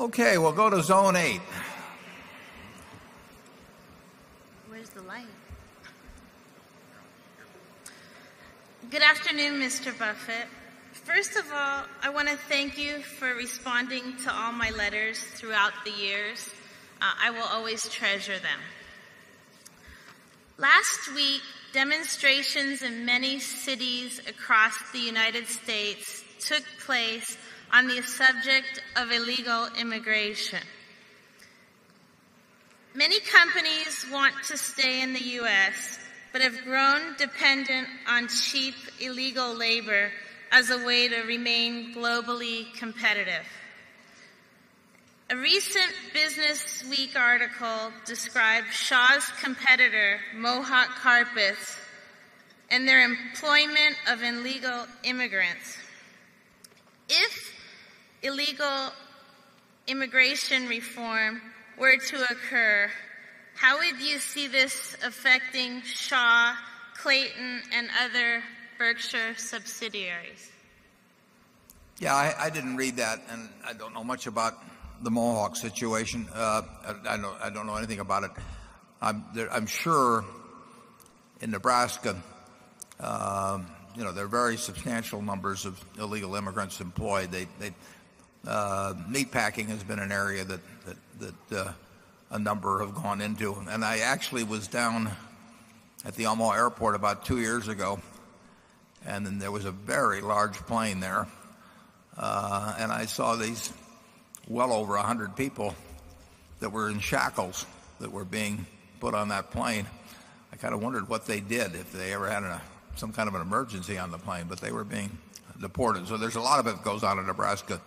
Okay. We'll go to zone 8. Where's the light? Good afternoon, Mr. Buffet. First of all, I want to thank you for responding to all my letters throughout the years. I will always treasure them. Last week, demonstrations in many cities across the United States took place on the subject of illegal immigration. Many companies want to stay in the US but have grown dependent on cheap illegal labor as a way to remain globally competitive. A recent Business Week article described Shaw's competitor Mohawk Carpets and their employment of illegal immigrants. If illegal immigration reform were to occur, how would you see this affecting Shaw, Clayton and other Berkshire subsidiaries? Yes, I didn't read that and I don't know much about the Mohawk situation. I don't know anything about it. I'm sure in Nebraska, there are very substantial numbers of illegal immigrants employed. They meat packing has been an area that a number have gone into. And I actually was down at the Elmore Airport about 2 years ago and then there was a very large plane there. And I saw these well over 100 people that were in shackles that were being put on that plane, I kind of wondered what they did if they ever had some kind of an emergency on the plane, but they were being deported. So there's a lot of it goes out of Nebraska.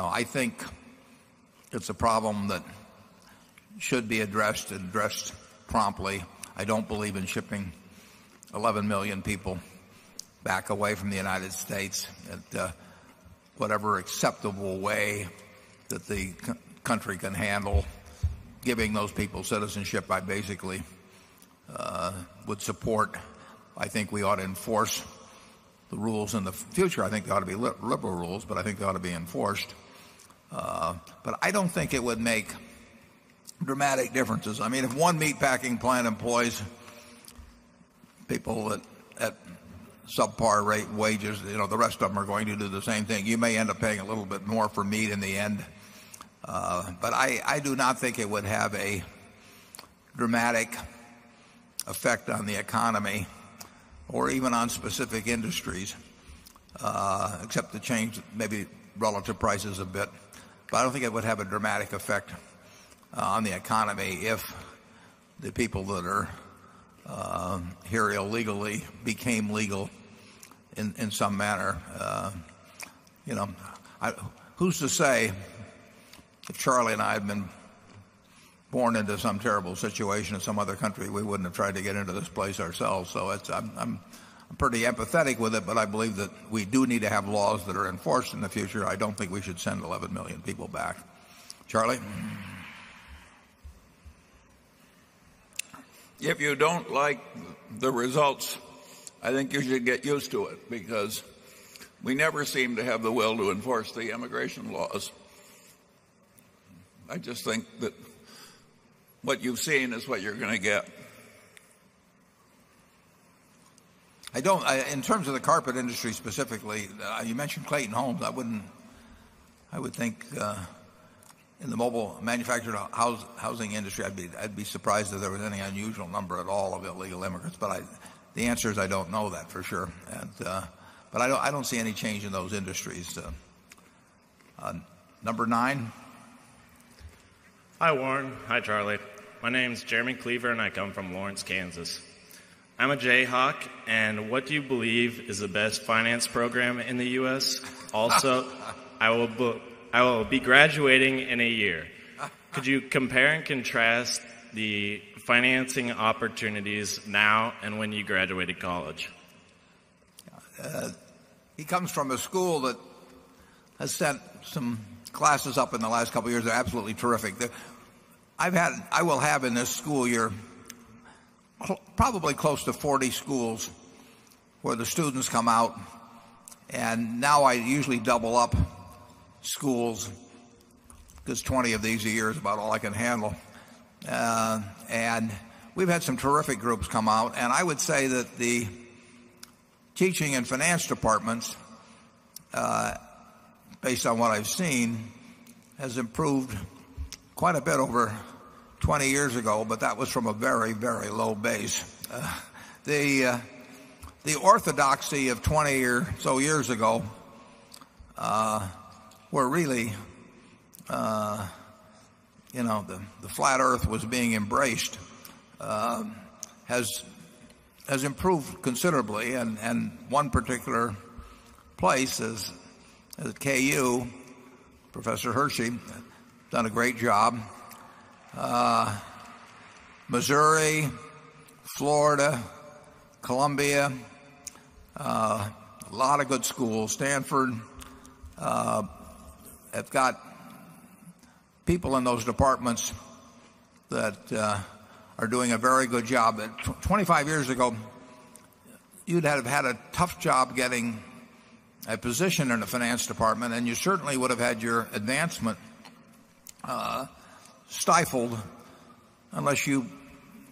I think it's a problem that should be addressed and addressed promptly. I don't believe in shipping 11,000,000 people back away from the United States at whatever acceptable way that the country can handle, giving those people citizenship by basically would support. I think we ought to enforce the rules in the future. I think there ought to be liberal rules, but I think it ought to be enforced. But I don't think it would make dramatic differences. I mean, if one meat packing plant employs people at subpar rate wages, the rest of them are going to do the same thing. You may end up paying a little bit more for meat in the end. But I do not think it would have a dramatic effect on the economy or even on specific industries except the change maybe relative prices a bit. But I don't think it would have a dramatic effect on the economy if the people that are here illegally became legal in some manner. Who's to say if Charlie and I have been born into some terrible situation in some other country, we wouldn't have tried to get into this place ourselves. So it's I'm pretty empathetic with it, but I believe that we do need to have laws that are enforced in the future. I don't think we should send 11,000,000 people back. Charlie? If you don't like the results, I think you should get used to it because we never seem to have the will to enforce the immigration laws. I just think that what you've seen is what you're going to get. I don't in terms of the carpet industry specifically, you mentioned Clayton Homes, I wouldn't I would think in the mobile manufactured housing industry, I'd be surprised if there was any unusual number at all of illegal immigrants. But the answer is I don't know that for sure. But I don't see any change in those industries. Number 9. Hi, Warren. Hi, Charlie. My name is Jeremy Cleaver and I come from Lawrence, Kansas. I'm a Jayhawk and what do you believe is the best finance program in the US? Also, I will book I will be graduating in a year. Could you compare and contrast the financing opportunities now when you graduated college? He comes from a school that has sent some classes up in the last couple of years. They're absolutely terrific. I've had I will have in this school year probably close to 40 schools where the students come out. And now I usually double up schools because 20 of these a year is about all I can handle. And we've had some terrific groups come out. And I would say that the teaching and finance departments, based on what I've seen, has improved quite a bit over 20 years ago, but that was from a very, very low base. The orthodoxy of 20 or so years ago were really the flat earth was being embraced has improved considerably. And one particular place is at KU, Professor Hershey done a great job. Missouri, Florida, Columbia, a lot of good schools. Stanford have got people in those departments that are doing a very good job. 25 years ago, you'd have had a tough job getting a position in the finance department and you certainly would have had your advancement stifled unless you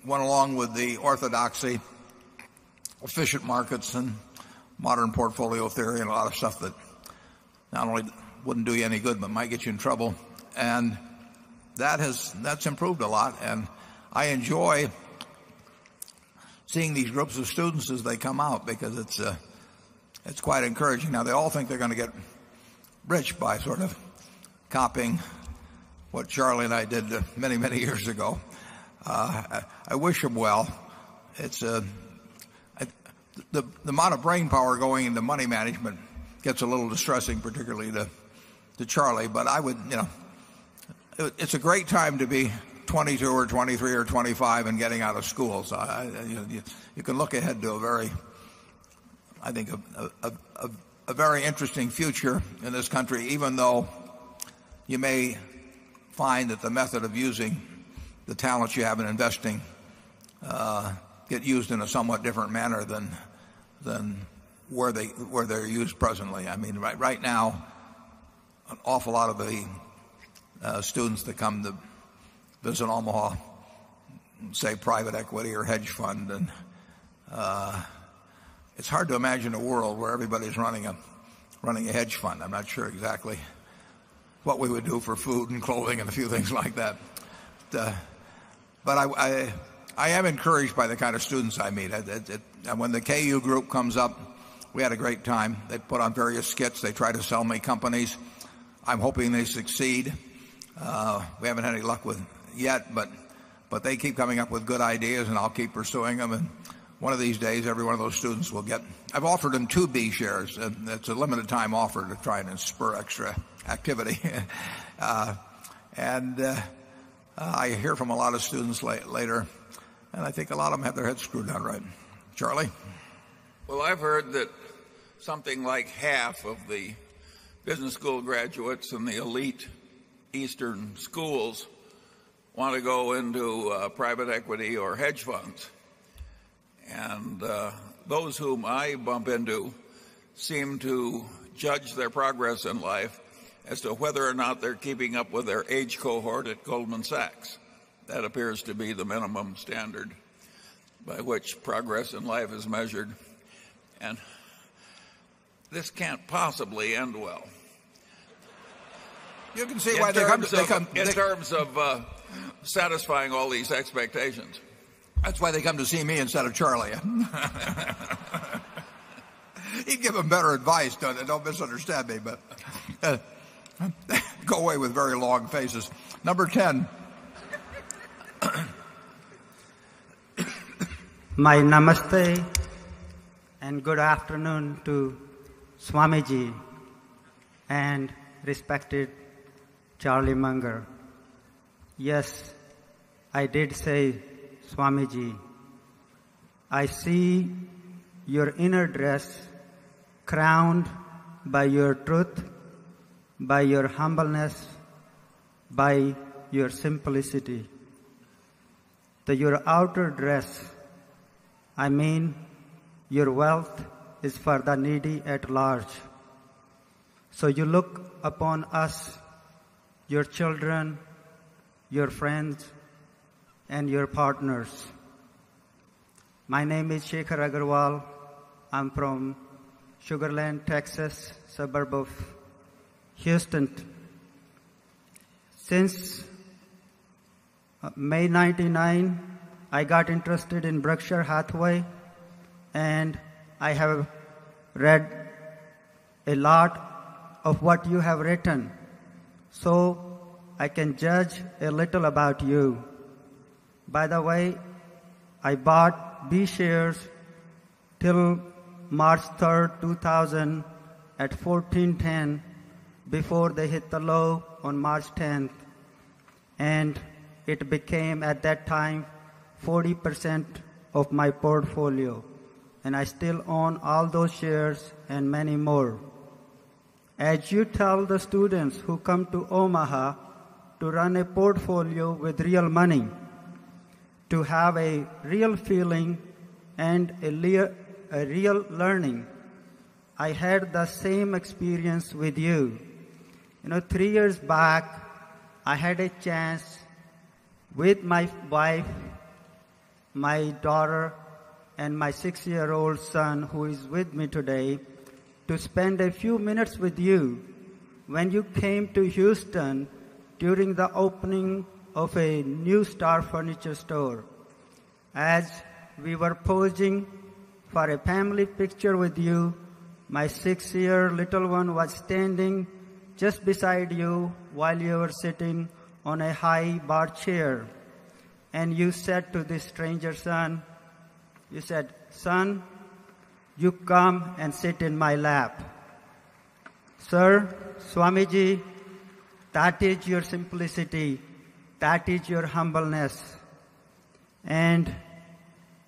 went along with the orthodoxy, efficient markets and modern portfolio theory and a lot of stuff that not only wouldn't do you any good but might get you in trouble. And that has that's improved a lot. And I enjoy seeing these groups of students as they come out because it's quite encouraging. Now they all think they're going to get rich by sort of copying what Charlie and I did many, many years ago. I wish them well. It's the amount of brainpower going into money management gets a little distressing, particularly to Charlie. But I would it's a great time to be 22 or 23 or 25 and getting out of school. So you can look ahead to a very I think a very interesting future in this country even though you may find that the method of using the talents you have in investing get used in a somewhat different manner than where they're used presently. I mean, right now, an awful lot of the students that come to visit Omaha, say private equity or hedge fund, and it's hard to imagine a world where everybody is running a running a hedge fund. I'm not sure exactly what we would do for food and clothing and a few things like that. But I am encouraged by the kind of students I meet. And when the KU Group comes up, we had a great time. They put on various skits. They try to sell many companies. I'm hoping they succeed. We haven't had any luck with it yet, but they keep coming up with good ideas and I'll keep pursuing them. And one of these days, every one of those students will get I've offered them 2 B shares and that's a limited time offer to try and spur extra activity. And I hear from a lot of students later and I think a lot of them have their heads screwed out right. Charlie? Well, I've heard that something like half of the business school graduates and the elite Eastern Schools want to go into private equity or hedge funds. And those whom I bump into seem to judge their progress in life as to whether or not they're keeping up with their age cohort at Goldman Sachs. That appears to be the minimum standard by which progress in life is measured. And this can't possibly end well. That's why they come to see me instead of Charlie. You can give them better advice, don't misunderstand me, but go away with very long faces. Number 10. My namaste and good afternoon to Swamiji and respected Charlie Munger. Yes, I did say, Swamiji, I see your inner dress crowned by your truth, by your humbleness, by your simplicity. That your outer dress, I mean, your wealth is for the needy at large. So you look upon us, your children, your friends, and your partners. My name is Shekhar Agarwal. I'm from Sugar Land, Texas, suburb of Houston. Since May 'ninety nine, I got interested in Berkshire Hathaway and I have read a lot of what you have written. So I can judge a little about you. By the way, I bought B shares till March 3, 2000 at 14.10 before they hit the low on March 10. And it became at that time 40% of my portfolio. And I still own all those shares and many more. As you tell the students who come to Omaha to run a portfolio with real money, to have a real feeling and a real learning, I had the same experience with you. You know, 3 years back, I had a chance with my wife, my daughter and my 6 year old son who is with me today to spend a few minutes with you when you came to Houston during the opening of a new star furniture store. As we were posing for a family picture with you, my 6 year little one was standing just beside you while you were sitting on a high bar chair. And you said to the stranger son, you said, son, you come and sit in my lap. Sir, Swamiji, that is your simplicity, that is your humbleness. And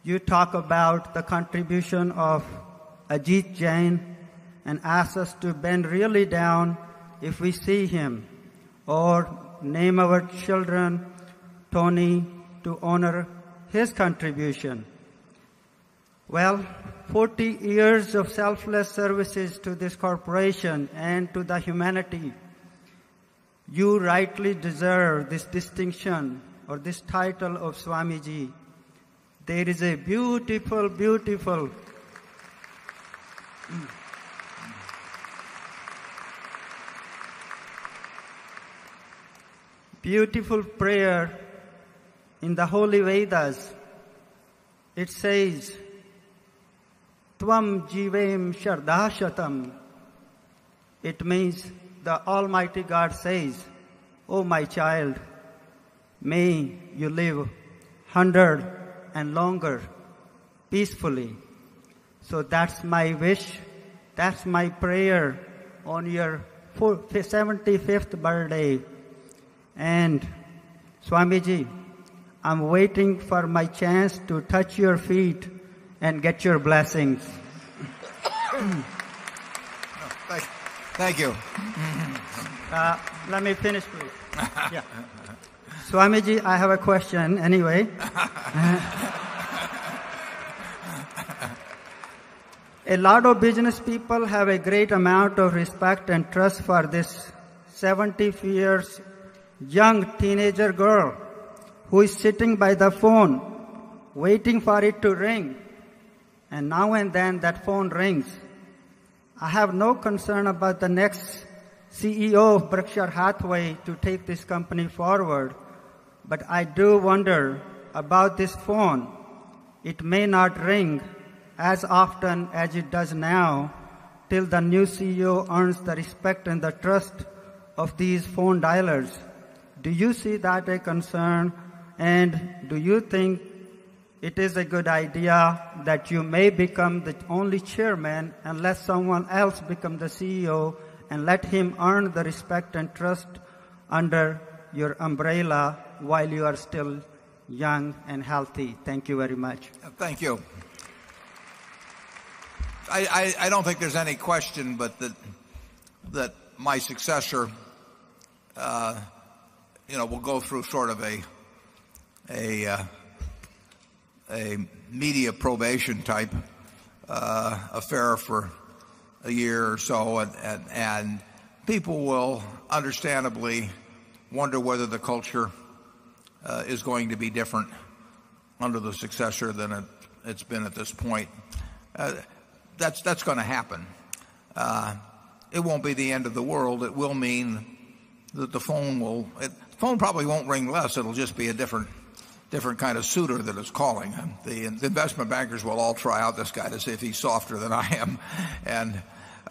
you talk about the contribution of Ajit Jain and ask us to bend really down if we see him or name our children Tony to honor his contribution. Well, 40 years of selfless services to this corporation and to the humanity. You rightly deserve this distinction or this title of Swamiji. There is a beautiful, beautiful it means the almighty god says, oh my child, may you live 100 and longer peacefully. So that's my wish. That's my prayer on your 4th 75th birthday. And Swamiji, I'm waiting for my chance to touch your feet and get your blessings. Thank Thank you. Let me finish. Swamiji, I have a question anyway. A lot of business people have a great amount of respect and trust for this 70 years young teenager girl who is sitting by the phone waiting for it to ring. And now and then that phone rings. I have no concern about the next CEO of Berkshire Hathaway to take this company forward. But I do wonder about this phone. It may not ring as often as it does now till the new CEO earns the respect and the trust of these phone dialers. Do you see that a concern And do you think it is a good idea that you may become the only Chairman unless someone else become the CEO and let him earn the respect and trust under your umbrella while you are still young and healthy? Thank you very much. Thank you. I don't think there's any question but that my successor will go through sort of a media probation type affair for a year or so, and people will understandably wonder whether the culture is going to be different under the successor than it's been at this point. That's going to happen. It won't be the end of the world. It will mean that the phone will phone probably won't ring less. It'll just be a different kind of suitor that is calling him. The investment bankers will all try out this guy to see if he's softer than I am and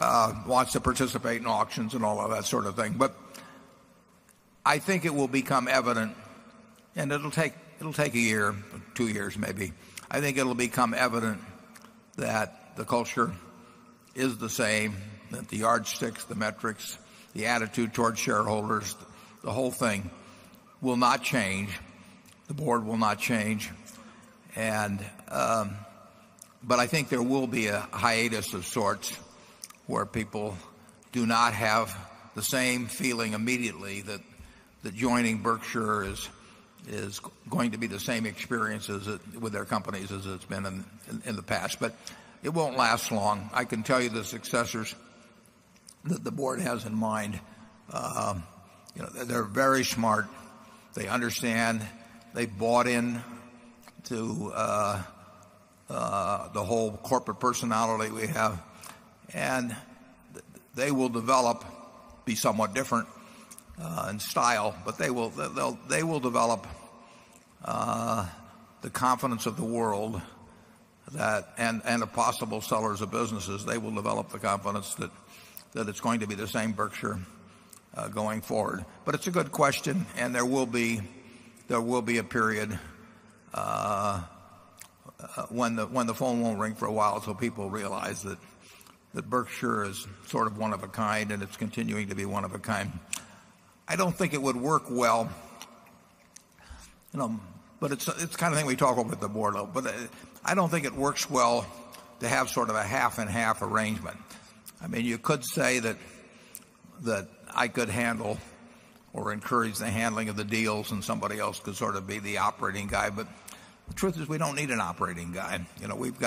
wants to participate in auctions and all of that sort of thing. But I think it will become evident and it'll take a year or 2 years maybe. I think it'll become evident that the culture is the same, that the yardsticks, the metrics, the attitude towards shareholders, the whole thing will not change. The Board will not change. And but I think there will be a hiatus of sorts where people do not have the same feeling immediately that joining Berkshire is going to be the same experiences with their companies as it's been in the past. But it won't last long. I can tell you the successors that the Board has in mind, they're very smart. They understand. They bought in to the whole corporate personality we have and they will develop, be somewhat different in style, but they will develop the confidence of the world that and of possible sellers of businesses, they will develop the confidence that it's going to be the same Berkshire going forward. But it's a good question, and there will be a period when the phone won't ring for a while so people realize that Berkshire is sort of one of a kind and it's continuing to be one of a kind. I don't think it would work well, but it's the kind of thing we talk about with the board though. But I don't think it works well to have sort of a half and half arrangement. I mean, you could say that I could handle or encourage the handling of the deals and somebody else could sort of be the operating guy. But the truth is we don't need an operating guy. We've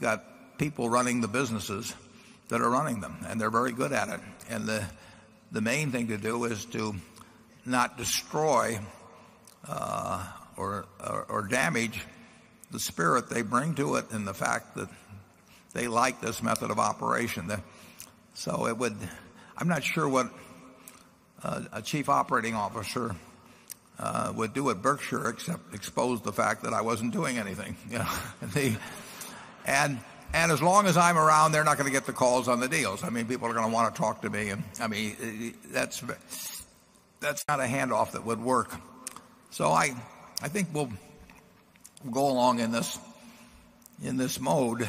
got people running the businesses that are running them and they're very good at it. And the main thing to do is to not destroy or damage the spirit they bring to it and the fact that they like this method of operation. So it would I'm not sure what a Chief Operating Officer would do at Berkshire except exposed the fact that I wasn't doing anything. And as long as I'm around, they're not going to get the calls on the deals. I mean, people are going to want to talk to me. I mean, that's not a handoff that would work. So I think we'll go along in this mode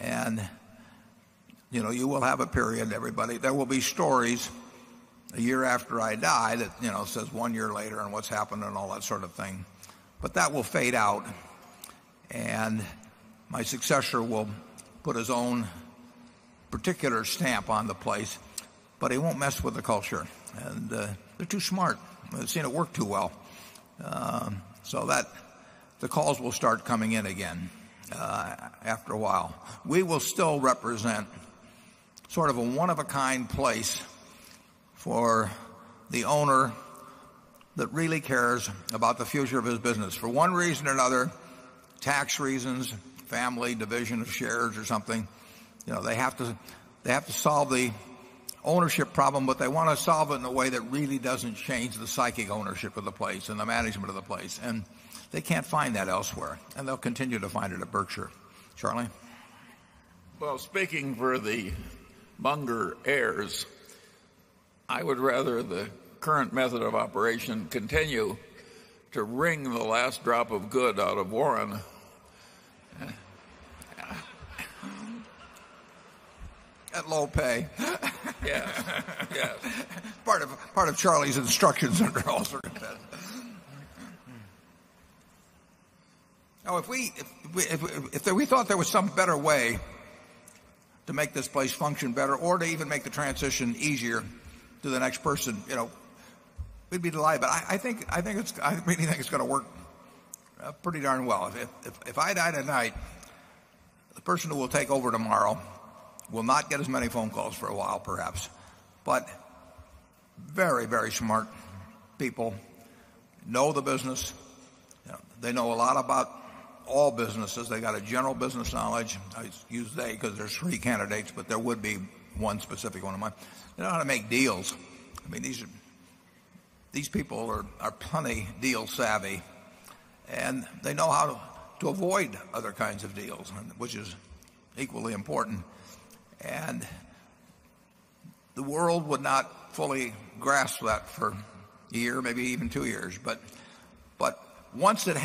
And you will have a period, everybody. There will be stories a year after I die that says 1 year later and what's happened and all that sort of thing. But that will fade out. And my successor will put his own particular stamp on the place, but he won't mess with the culture. And they're too smart. I've seen it work too well. So that the calls will start coming in again after a while. We will still represent sort of a one of a kind place for the owner that really cares about the future of his business. For one reason or another, tax reasons, family, division of shares or something, they have to solve the ownership problem, but they want to solve it in a way that really doesn't change the psychic ownership of the place and the management of the place. And they can't find that elsewhere, and they'll continue to find it at Berkshire. Charlie? Well, speaking for the bunker airs, I would rather the current method of operation continue to ring the last drop of good out of Warren At low pay. Part of Charlie's instructions under all circumstances. Now if we if we thought there was some better way to make this place function better or to even make the transition easier to the next person, we'd be delighted. I think I think it's I really think it's going to work pretty darn well. If I die tonight, the person who will take over tomorrow will not get as many phone calls for a while perhaps, but very, very smart people know the business. They know a lot about all businesses. They got a general business knowledge. I use they because there's 3 candidates, but there would be one specific one of mine. They know how to make deals. I mean, these people are plenty deal savvy and they know how to avoid other kinds of deals, which is equally important. And the world would not fully grasp that for a year, maybe even 2 years. But once it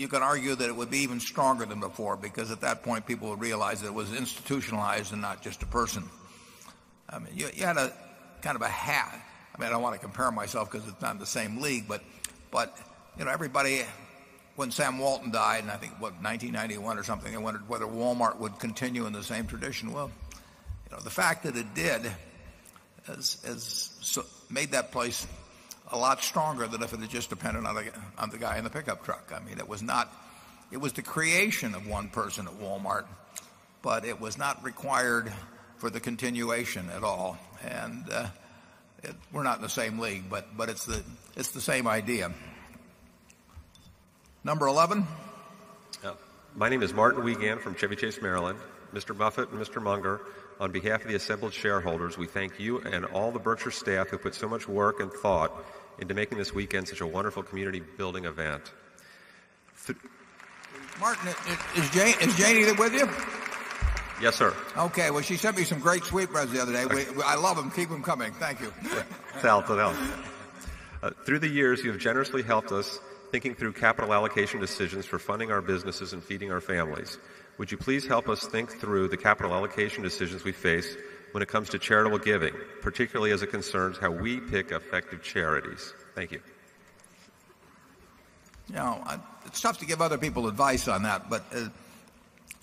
happened, you can argue that it would be even stronger than before because at that point people would realize that it was institutionalized and not just a person. You had a kind of a hat. I mean, I don't want to compare myself because it's not in the same league, but everybody when Sam Walton died in, I think, what, 1991 or something, I wondered whether Walmart would continue in the same tradition. Well, the fact that it did has made that place a lot stronger than if it just depended on the guy in the pickup truck. I mean, it was not it was the creation of 1 person at Walmart, but it was not required for the continuation at all. And we're not in the same league, but it's the same idea. Number 11. Yes. My name is Martin Wiegandt from Chevy Chase, Maryland. Mr. Buffett and Mr. Munger, on behalf of the assembled shareholders, we thank you and all the Berkshire staff who put so much work and thought into making this weekend such a wonderful community building event. Martin, is Jane with you? Yes, sir. Okay. Well, she sent me some great sweetbreads the other day. I love them. Keep them coming. Thank you. It's Al. It's Al. Through the years, you have generously helped us thinking through capital allocation decisions for funding our businesses and feeding our families. Would you please help us think through the capital allocation decisions we face when it comes to charitable giving, particularly as it concerns how we pick effective charities? Thank you. It's tough to give other people advice on that, but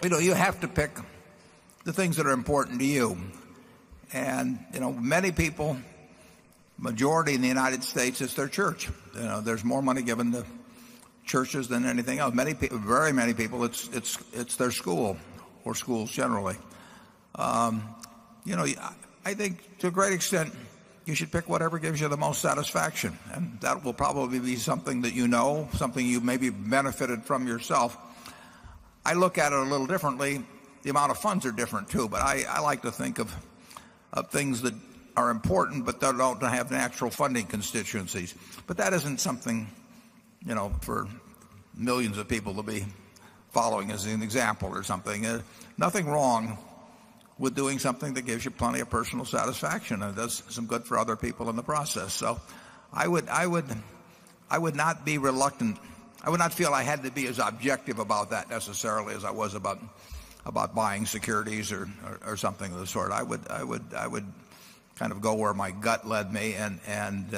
you have to pick the things that are important to you. And many people majority in the United States is their church. There's more money given to churches than anything else. Many people, very many people, it's their school or schools generally. I think to a great extent, you should pick whatever gives you the most satisfaction, and that will probably be something that you know, something you maybe benefited from yourself. I look at it a little differently. The amount of funds are different too, but I like to think of things that are important but that don't have natural funding constituencies. But that isn't something for millions of people to be following as an example or something. Nothing wrong with doing something that gives you plenty of personal satisfaction and does some good for other people in the process. So I would not be reluctant. I would not feel I had to be as objective about that necessarily as I was about buying securities or something of the sort. I would kind of go where my gut led me and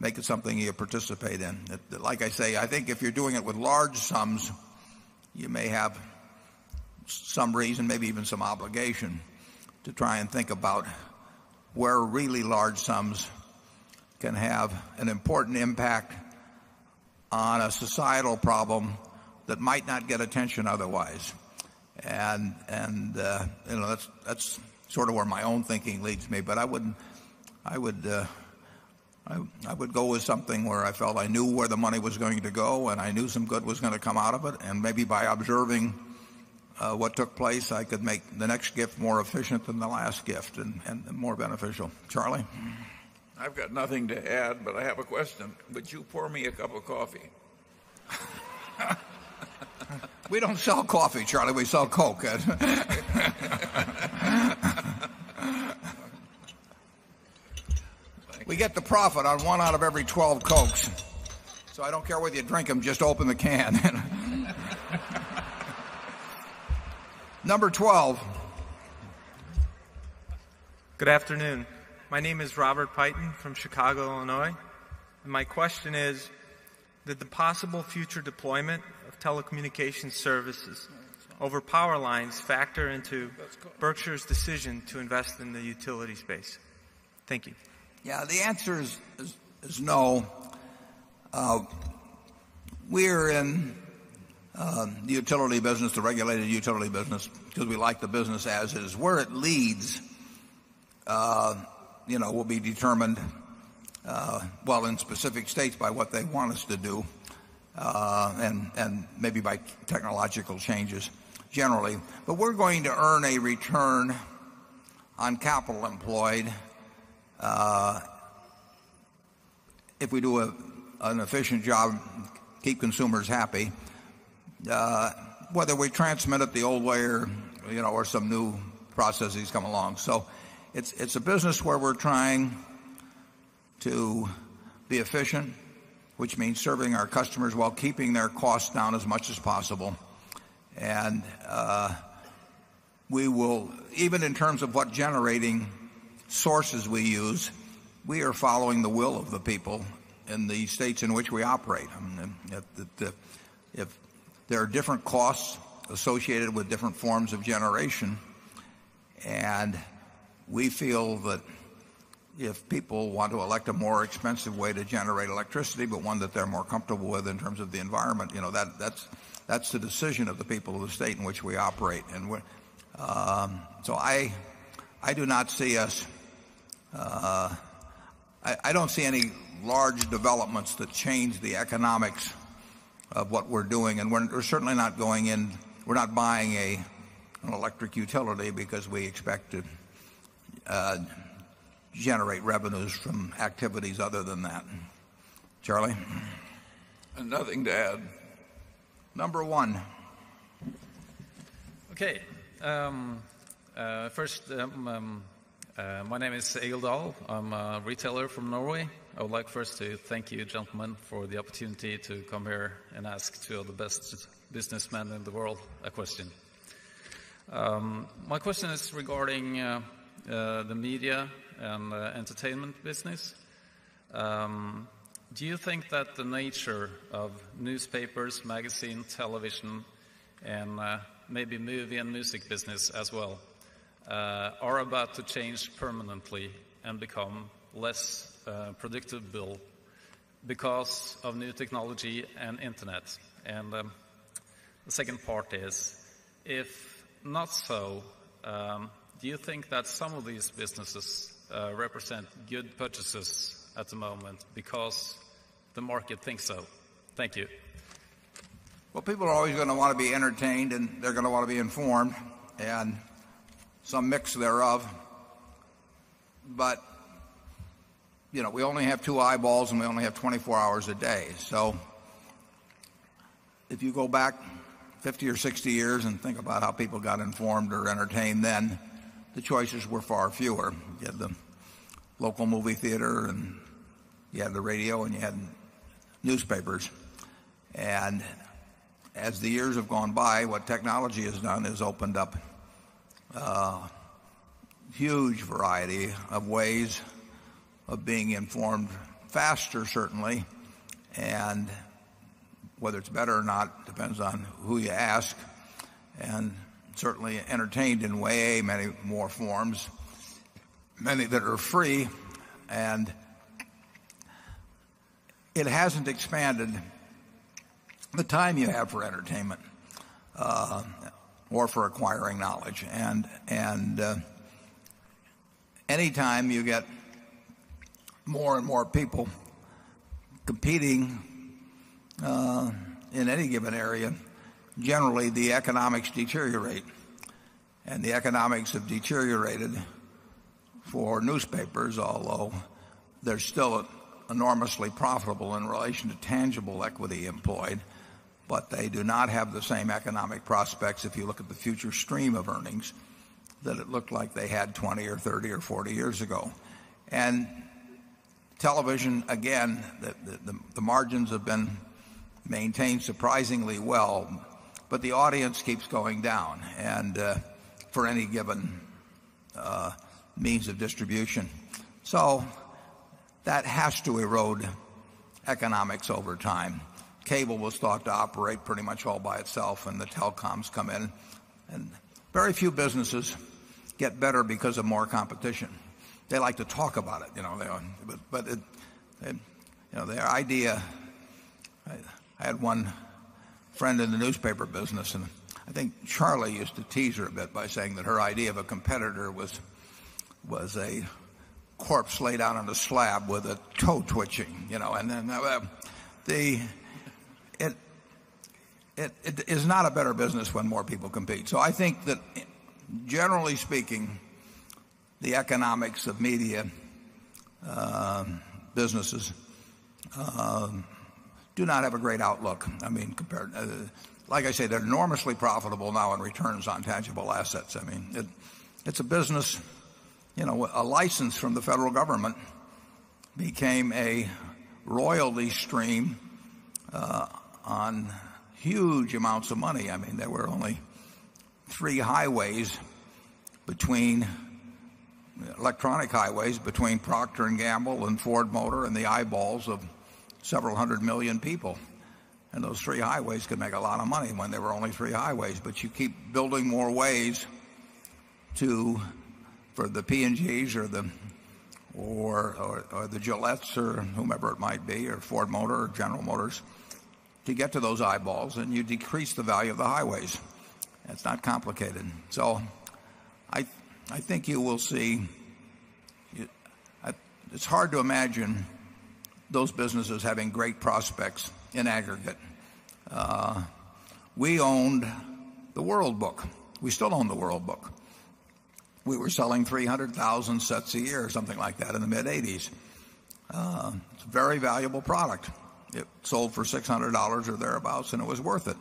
make it something you participate in. Like I say, I think if you're doing it with large sums, you may have some reason, maybe even some obligation, to try and think about where really large sums can have an important impact on a societal problem that might not get attention otherwise. And that's sort of where my own thinking leads me. But I wouldn't I would go with something where I felt I knew where the money was going to go and I knew some good was going to come out of it. And maybe by observing what took place, I could make the next gift more efficient than the last gift and more beneficial. Charlie? I've got nothing to add, but I have a question. Would you pour me a cup of coffee? We get the profit on 1 out of every 12 Cokes, so I don't care whether you drink them, just open the can. Number 12. Good afternoon. My name is Robert Peyton from Chicago, Illinois. And my question is, that the possible future deployment of telecommunications services over power lines factor into Berkshire's decision to invest in the utility space? Thank you. Yes. The answer is no. We're in the utility business, the regulated utility business because we like the business as it is. Where it leads will be determined well in specific states by what they want us to do and maybe by technological changes generally. But we're going to earn a return on capital employed if we do an efficient job, keep consumers happy, whether we transmit it the old way or some new processes come along. So it's a business where we're trying to be efficient, which means serving our customers while keeping their costs down as much as possible. And we will even in terms of what generating sources we use, we are following the will of the people in the states in which we operate. There are different costs associated with different forms of generation, And we feel that if people want to elect a more expensive way to generate electricity, but one that they're more comfortable with in terms of the environment, that's the decision of the people of the state in which we operate. And so I do not see us I don't see any large developments that change the economics of what we're doing. And we're certainly not going in we're not buying an electric utility because we expect to generate revenues from activities other than that. Charlie? Nothing to add. Number 1. Okay. First, my name is Eigild Dahl. I'm a retailer from Norway. I would like first to thank you gentlemen for the opportunity to come here and ask 2 of the best businessmen in the world a question. My question is regarding the media and entertainment business. Do you think that the nature of newspapers, magazine, television and maybe movie and music business as well are about to change permanently and become less predictable because of new technology and Internet? And the second part is, if not so, do you think that some of these businesses represent good purchases at the moment because the market thinks so? Thank you. Well, people are always going to want to be entertained and they're going to want to be informed and some mix thereof. But we only have 2 eyeballs and we only have 24 hours a day. So if you go back 50 or 60 years and think about how people got informed or entertained, then the choices were far fewer. You had the local movie theater and you had the radio and you had newspapers. And as the years have gone by, what technology has done has opened up a huge variety of ways of being informed faster certainly and whether it's better or not depends on who you ask and certainly entertained in a way, many more forms, many that are free. And it hasn't expanded the time you have for entertainment or for acquiring knowledge. And anytime you get more and more people competing in any given area, generally the economics deteriorate and the economics have deteriorated for newspapers although they're still enormously profitable in relation to tangible equity employed, but they do not have the same economic prospects if you look at the future stream of earnings that it looked like they had 20 or 30 or 40 years ago. And television, again, the margins have been maintained surprisingly well, but the audience keeps going down and for any given means of distribution. So that has to erode economics over time. Cable will start to operate pretty much all by itself and the telecoms come in. And very few businesses get better because of more competition. They like to talk about it. But their idea I had one friend in the newspaper business and I think Charlie used to tease her a bit by saying that her idea of a competitor was a corpse laid out on a slab with a toe twitching. And then it is not a better business when more people compete. So I think that generally speaking, the economics of media businesses do not have a great outlook. I mean, compared like I say, they're enormously profitable now in returns on tangible assets. I mean, it's a business a license from the federal government became a royalty stream on huge amounts of money. I mean, there were only 3 highways between electronic highways between Procter and Gamble and Ford Motor and the eyeballs of several 100,000,000 people. And those 3 highways could make a lot of money when there were only 3 highways. But you keep building more ways to for the P and Gs or the Gillette's or whomever it might be or Ford Motor or General Motors to get to those eyeballs and you decrease the value of the highways. It's not complicated. So I think you will see it's hard to imagine those businesses having great prospects in aggregate. We owned the world book. We still own the world book. We were selling 300,000 sets a year or something like that in the mid-80s. It's a very valuable product. It sold for $600 or thereabouts and it was worth it.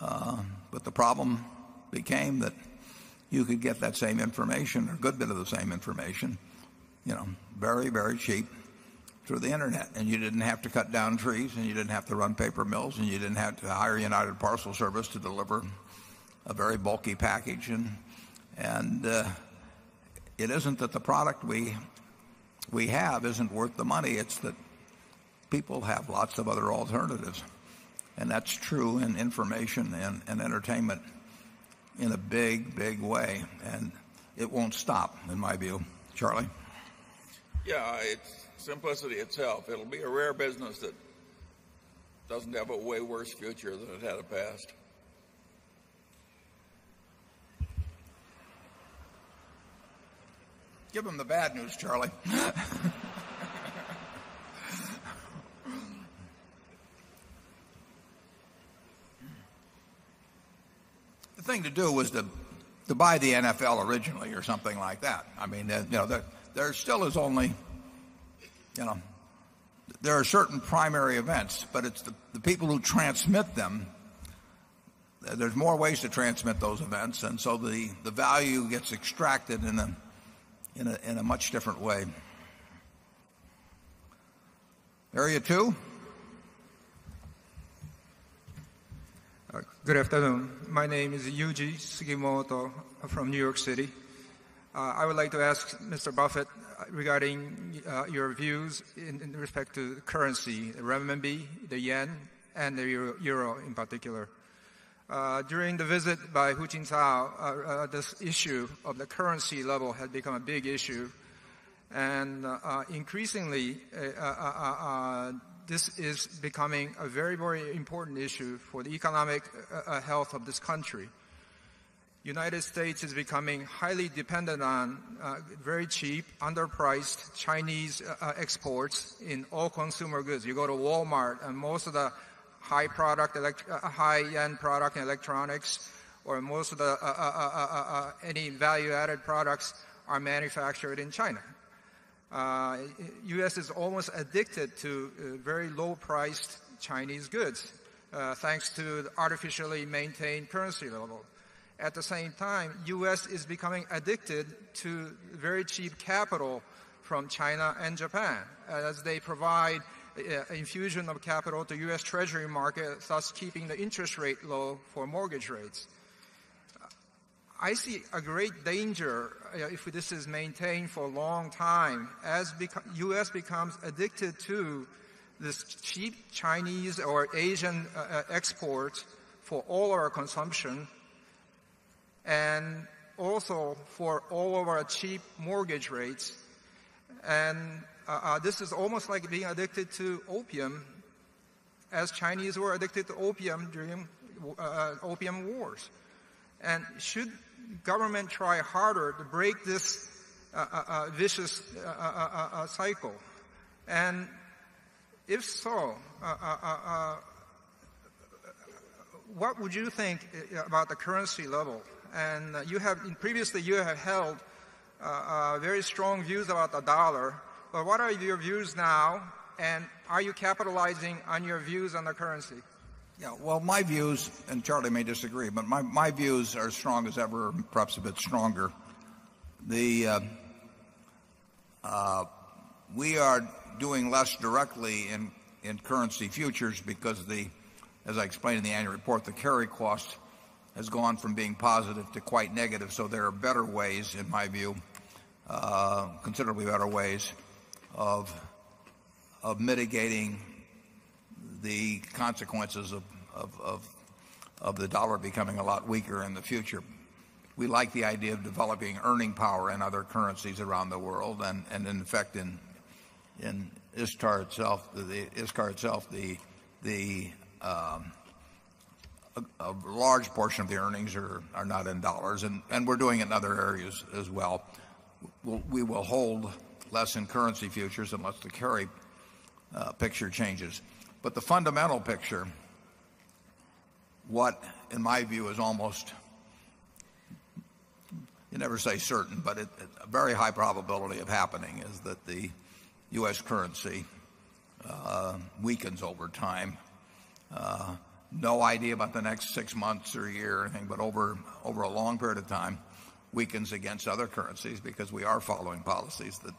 But the problem became that you could get that same information, a good bit of the same information, very, very cheap through the internet. And you didn't have to cut down trees and you didn't have to run paper mills and you didn't have to hire United Parcel Service to deliver a very bulky package. And it isn't that the product we have isn't worth the money, it's that people have lots of other alternatives. And that's true in information and entertainment in a big, big way. And it won't stop, in my view. Charlie? Yes. It's simplicity itself. It'll be a rare business that doesn't have a way worse future than it had in the past. Give them the bad news, Charlie. The thing to do was to buy the NFL originally or something like that. I mean, there still is only there are certain primary events, but it's the people who transmit them. There's more ways to transmit those events, and so the value gets extracted in a much different way. Area 2? Good afternoon. My name is Yuji Sugimoto from New York City. I would like to ask Mr. Buffet regarding your views in respect to currency, the renminbi, the yen and the euro in particular. During the visit by Hu Jintao, this issue of the currency level had become a big issue And increasingly, this is becoming a very, very important issue for the economic health of this country. United States is becoming highly dependent on very cheap, underpriced Chinese exports in all consumer goods. You go to Walmart and most of the high product high end product in electronics or most of the any value added products are manufactured in China. U. S. Is almost addicted to very low priced Chinese goods, thanks to the artificially maintained currency level. At the same time, U. S. Is becoming addicted to very cheap capital from China and Japan as they provide infusion of capital to U. S. Treasury market, thus keeping the interest rate low for mortgage rates. I see a great danger if this is maintained for a long time as U. S. Becomes addicted to this cheap Chinese or Asian exports for all our consumption and also for all of our cheap mortgage rates. And this is almost like being addicted to opium as Chinese were addicted to opium during opium wars. And should government try harder to break this vicious cycle? And if so, what would you think about the currency level? And you have previously you have held very strong views about the dollar. But what are your views now? And are you capitalizing on your views on the currency? Yes. Well, my views and Charlie may disagree, but my views are as strong as ever, perhaps a bit stronger. The we are doing less directly in currency futures because of the as I explained in the annual report, the carry cost has gone from being positive to quite negative. So there are better ways, in my view, considerably better ways of mitigating the consequences of the dollar becoming a lot weaker in the future. We like the idea of developing earning power in other currencies around the world. And in fact, in ISCAR itself, the a large portion of the earnings are not in dollars and we're doing in other areas as well. We will hold less in currency futures unless the carry picture changes. But the fundamental picture, what in my view is almost you never say certain, but a very high probability of happening is that the U. S. Currency weakens over time. No idea about the next 6 months or a year or anything, but over a long period of time, weakens against other currencies because we are following policies that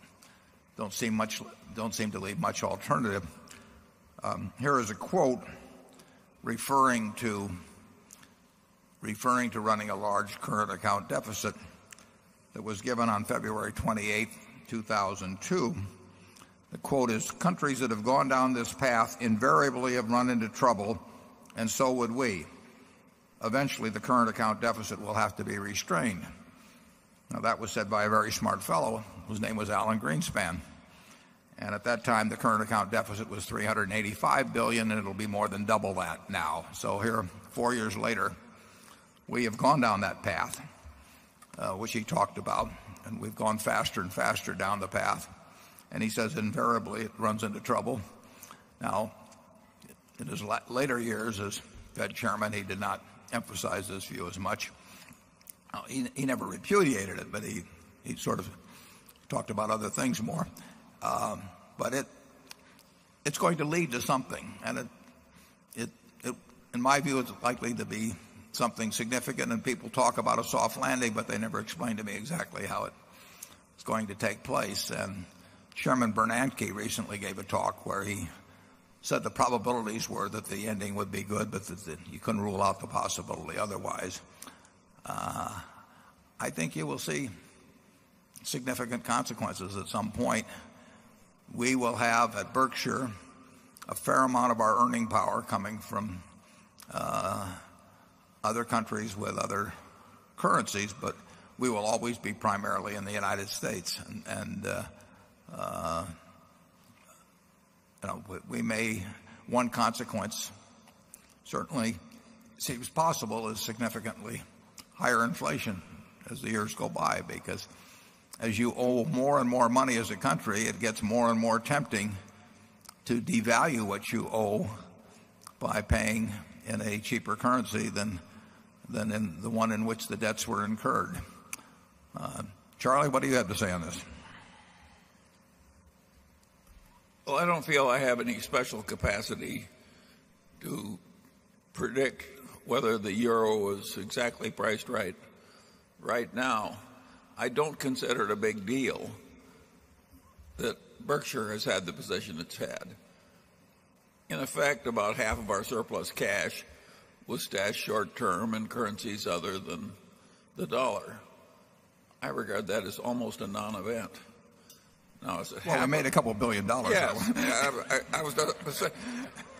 don't seem much don't seem to leave much alternative. Here is a quote referring to running a large current account deficit that was given on February 28, 2002. The quote is, Countries that have gone down this path invariably have run into trouble, and so would we. Eventually, the current account deficit will have to be restrained. Now, that was said by a very smart fellow whose name was Alan Greenspan. And at that time, the current account deficit was $385,000,000,000 and it'll be more than double that now. So here, 4 years later, we have gone down that path, which he talked about, and we've gone faster and faster down the path. And he says invariably it runs into trouble. Now in his later years as Fed Chairman, he did not emphasize this view as much. He never repudiated it, but he sort of talked about other things more. But it's going to lead to something. And in my view, it's likely to be something significant. And people talk about a soft landing, but they never explain to me exactly how it's going to take place. And Chairman Bernanke recently gave a talk where he said the probabilities were that the ending would be good, but you couldn't rule out the possibility otherwise. I think you will see significant consequences at some point. We will have at Berkshire a fair amount of our earning power coming from other countries with other currencies, but we will always be primarily in the United States. And we may one consequence certainly seems possible is significantly higher inflation as the years go by because as you owe more and more money as a country, it gets more and more tempting to devalue what you owe by paying in a cheaper currency than the one in which the debts were incurred. Charlie, what do you have to say on this? Well, I don't feel I have any special capacity to predict whether the euro was exactly priced right. Right now, I don't consider it a big deal that Berkshire has had the position it's had. In effect, about half of our surplus cash was stashed short term in currencies other than the dollar. I regard that as almost a non event. Now it's a hell. Well, I made a couple of $1,000,000,000 I wanted to say.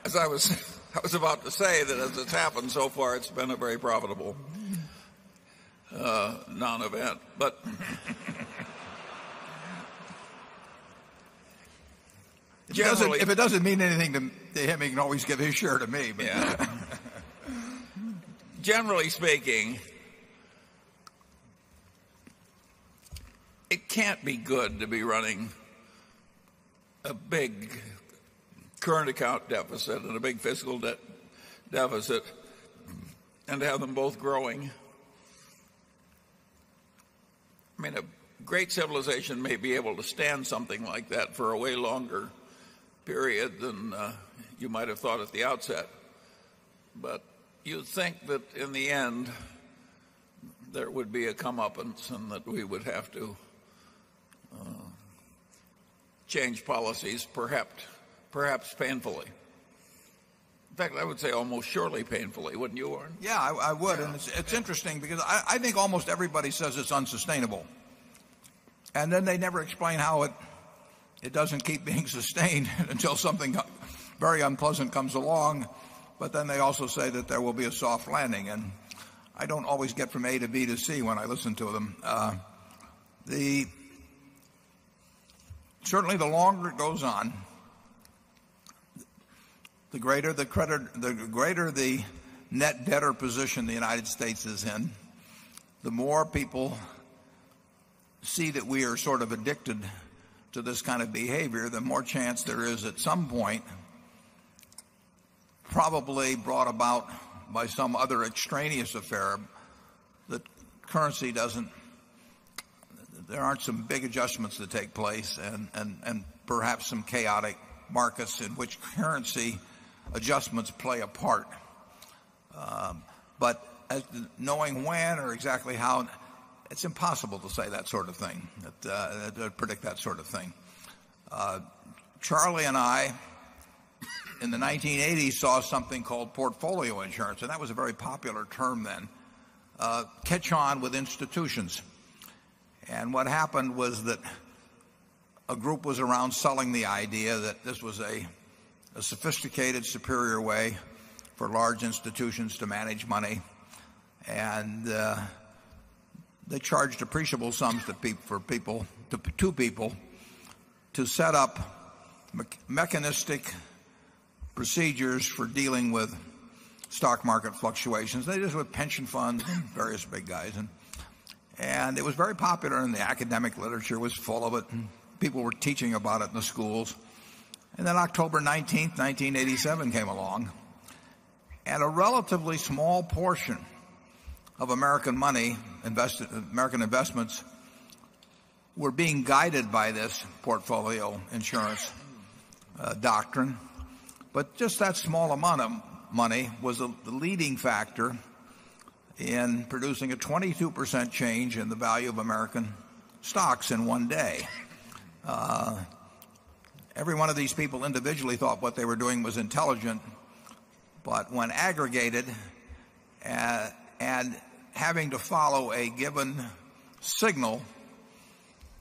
Yes, I was about to say that as it's happened so far, it's been a very profitable non event. But If it doesn't mean anything to him, he can always give his share to me. But generally speaking, it can't be good to be running a big current account deficit and a big fiscal debt deficit and to have them both growing. I mean, a great civilization may be able to stand something like that for a way longer period than you might have thought at the outset. But you think that in the end, there would be a comeuppance and that we would have to change policies perhaps painfully. In fact, I would say almost surely painfully, wouldn't you, Orne? Yes, I would. And it's interesting because I think almost everybody says it's unsustainable. And then they never explain how it doesn't keep being sustained until something very unpleasant comes along. But then they also say that there will be a soft landing. And I don't always get from A to B to C when I listen to them. The certainly, the longer it goes on, the greater the credit the greater the net debtor position the United States is in, the more people see that we are sort of addicted to this kind of behavior, the more chance there is at some point, probably brought about by some other extraneous affair, that currency doesn't there aren't some big adjustments that take place and perhaps some chaotic markets in which currency adjustments play a part. But knowing when or exactly how, it's impossible to say that sort of thing, predict that sort of thing. Charlie and I in the 1980s saw something called portfolio insurance, and that was a very popular term then, catch on with institutions. And what happened was that a group was around selling the idea that this was a sophisticated, superior way for large institutions to manage money. And they charged appreciable sums for people to people to set up mechanistic procedures for dealing with stock market fluctuations. They just were pension funds, various big guys. And it was very popular and the academic literature was full of it and people were teaching about it in the schools. And then October 19, 1987 came along. And a relatively small portion of American money invested American investments were being guided by this portfolio insurance doctrine. But just that small amount of money was the leading factor in producing a 22% change in the value of American stocks in one day. Every one of these people individually thought what they were doing was intelligent, but when aggregated and having to follow a given signal,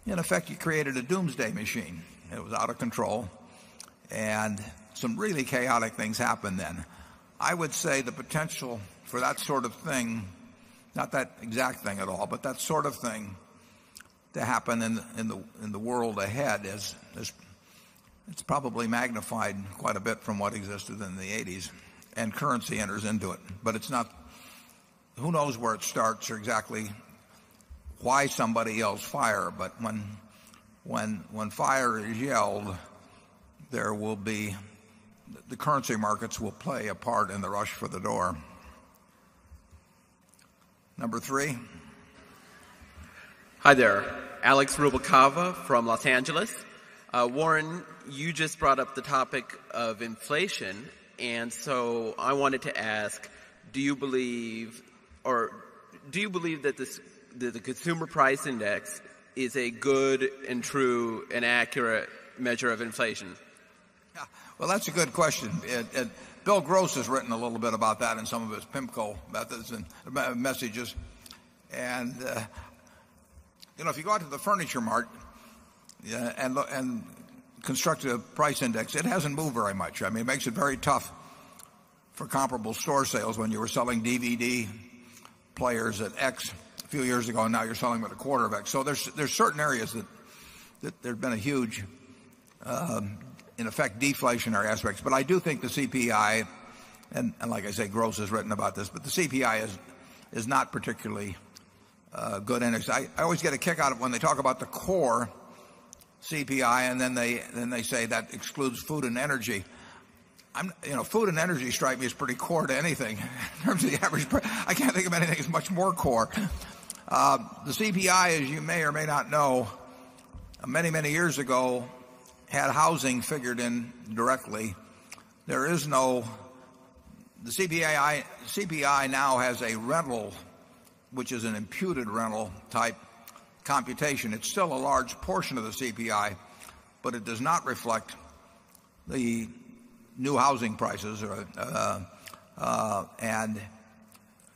in effect, you created a doomsday machine. It was out of control and some really chaotic things happened then. I would say the potential for that sort of thing, not that exact thing at all, but that sort of thing to happen in the world ahead as it's probably magnified quite a bit from what existed in the '80s and currency enters into it. But it's not who knows where it starts or exactly why somebody yells fire. But when fire is yelled, there will be the currency markets will play a part in the rush for the door. Number 3? Hi, there. Alex Rubalcava from Los Angeles. Warren, you just brought up the topic of inflation. And so I wanted to ask, do you believe or do you believe that the consumer price index is a good and true and accurate measure of inflation? Yes. Well, that's a good question. And Bill Gross has written a little bit about that in some of his PIMCO methods and messages. And if you go out to the furniture market and look and construct a price index, it hasn't moved very much. I mean, it makes it very tough for comparable store sales when you were selling DVD players at X a few years ago and now you're selling about a quarter of X. So there's certain areas that there's been a huge, in effect, deflationary aspects. But I do think the CPI and like I say, Gross has written about this, but the CPI is not particularly good in it. I always get a kick out of when they talk about the core CPI and then they then they say that excludes food and energy. Food and energy strike me as pretty core to anything in terms of the average I can't think of anything as much more core. The CPI, as you may or may not know, many, many years ago had housing figured in directly. There is no the CPI CPI now has a rental, which is an imputed rental type computation. It's still a large portion of the CPI, but it does not reflect the new housing prices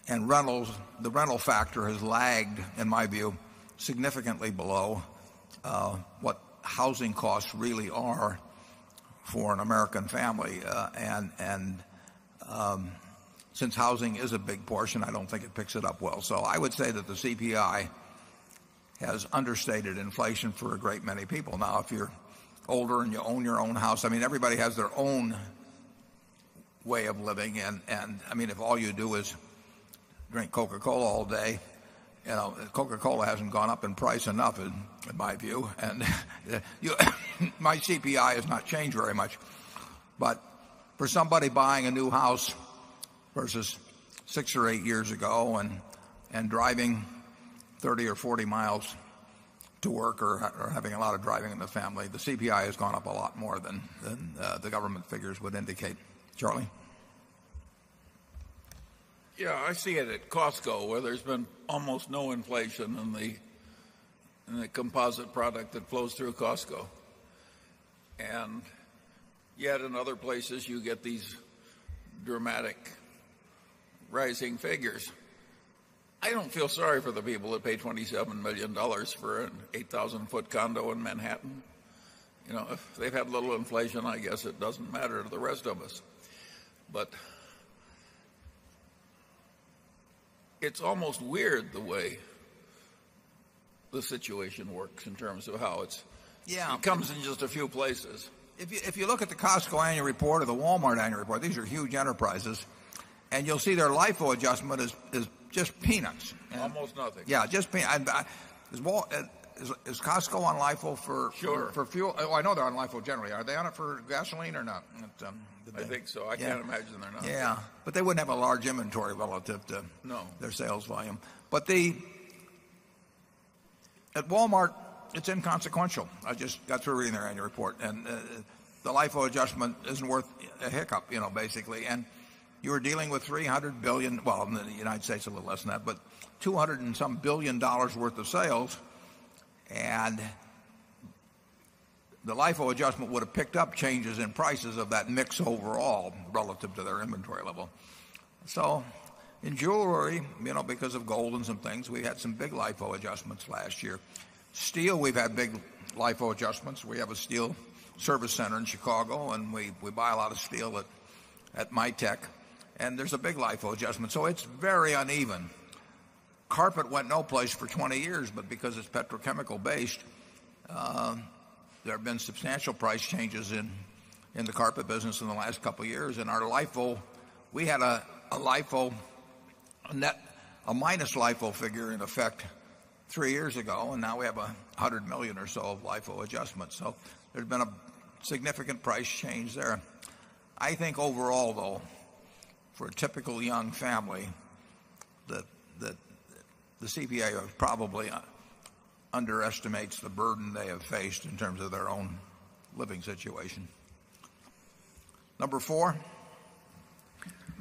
and rentals the rental factor has lagged, in my view, significantly below what housing costs really are for an American family. And since housing is a big portion, I don't think it picks it up well. So I would say that the CPI has understated inflation for a great many people. Now if you're older and you own your own house, I mean everybody has their own way of living. And I mean, if all you do is drink Coca Cola all day, Coca Cola hasn't gone up in price enough in my view. And my CPI has not changed very much. But for somebody buying a new house versus 6 or 8 years ago and driving 30 or 40 miles to work or having a lot of driving in the family, the CPI has gone up a lot more than the government figures would indicate. Charlie? Yes, I see it at Costco where there's been almost no inflation in the composite product that flows through Costco. And yet in other places, you get these dramatic rising figures. I don't feel sorry for the people that pay $27,000,000 for an 8,000 foot condo in Manhattan. If they've had little inflation, I guess it doesn't matter to the rest of us. But it's almost weird the way the situation works in terms of how it comes in just a few places. If you look at the Costco annual report or the Walmart annual report, these are huge enterprises, and you'll see their LIFO adjustment is just peanuts. Almost nothing. Yes, just peanuts. Is Costco on LIFO for fuel? Sure. I know they're on LIFO generally. Are they on it for gasoline or not? I think so. I can't imagine they're not. Yes. But they wouldn't have a large inventory relative to their sales volume. But the at Walmart, it's inconsequential. I just got through reading their annual report. And the LIFO adjustment isn't worth a hiccup, basically. And you're dealing with $300,000,000,000 well, in the United States, a little less than that, but 200 and some $1,000,000,000 worth of sales. And the LIFO adjustment would have picked up changes in prices of that mix overall relative to their inventory level. So in jewelry, because of gold and some things, we had some big LIFO adjustments last year. Steel, we've had big LIFO adjustments. We have a steel service center in Chicago, and we buy a lot of steel at Mitek, and there's a big LIFO adjustment. So it's very uneven. Carpet went no place for 20 years, but because it's petrochemical based, there have been substantial price changes in the carpet business in the last couple of years. And our LIFO, we had a LIFO net, a minus LIFO figure in effect 3 years ago, and now we have $100,000,000 or so of LIFO adjustments. So there's been a significant price change there. I think overall, though, for a typical young family that the CPA probably underestimates the burden they have faced in terms of their own living situation. Number 4?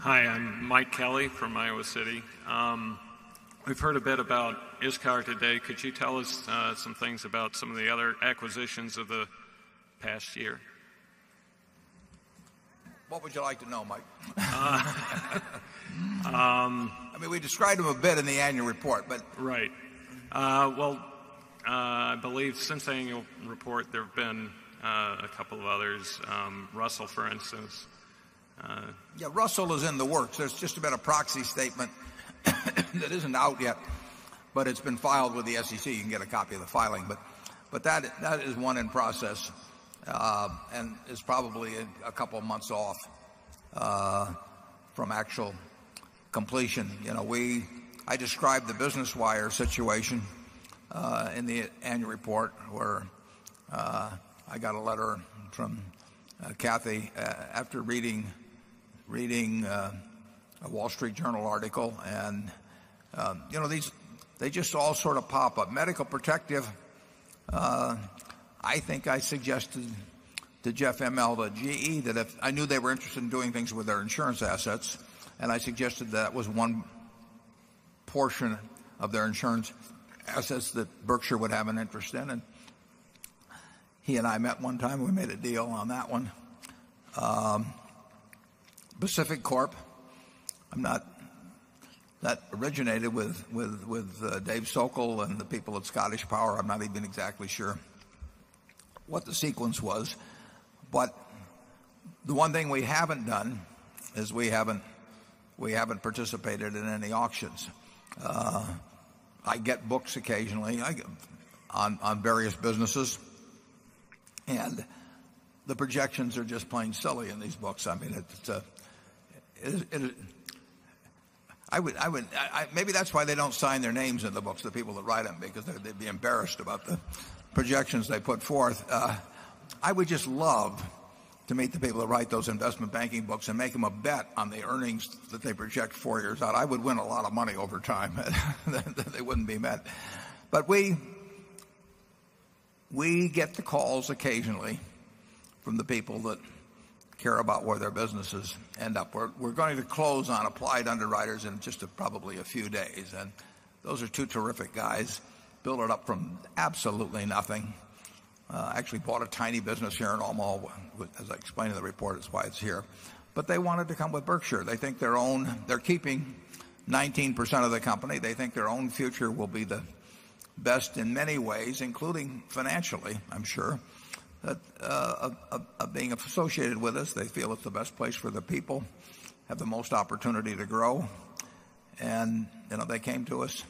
I'm Mike Kelly from Iowa City. We've heard a bit about ISCAR today. Could you tell us some things about some of the other acquisitions of the past year? What would you like to know, Mike? I mean, we I mean we described them a bit in the annual report, but Right. Well, I believe since the annual report, there have been a couple of others, Russell, for Yes. Russell is in the works. There's just about a proxy statement that isn't out yet, but it's been filed with the SEC. You can get a copy of the filing. But that is one in process and is probably a couple of months off from actual completion. We I described the business wire situation in the annual report, where I got a letter from Kathy after reading a Wall Street Journal article. And these they just all sort of pop up. Medical protective, I think I suggested to Jeff M. Alba at GE that if I knew they were interested in doing things with their insurance assets, and I suggested that was one portion of their insurance assets that Berkshire would have an interest in. And he and I met one time. We made a deal on that one. Pacific Corp, I'm not that originated with Dave Sokol and the people at Scottish Power. I'm not even exactly sure what the sequence was. But the one thing we haven't done is we haven't participated in any auctions. I get books occasionally on various businesses. And the projections are just plain silly in these books. I mean, it's I would I would maybe that's why they don't sign their names in the books, the people that write them, because they'd be embarrassed about the projections they put forth. I would just love to meet the people that write those investment banking books and make them a bet on the earnings that they project 4 years out. I would win a lot of money over time. They wouldn't be met. But we get the calls occasionally from the people that care about where their businesses end up. We're going to close on applied underwriters in just probably a few days. And those are 2 terrific guys, build it up from absolutely nothing. I actually bought a tiny business here in Omaha, as I explained in the report, it's why it's here. But they wanted to come with Berkshire. They think their own they're keeping 19% of the company. They think their own future will be the best in many ways, including financially, I'm sure, that being associated with us. They feel it's the best place where the people have the most opportunity to grow. And they came to us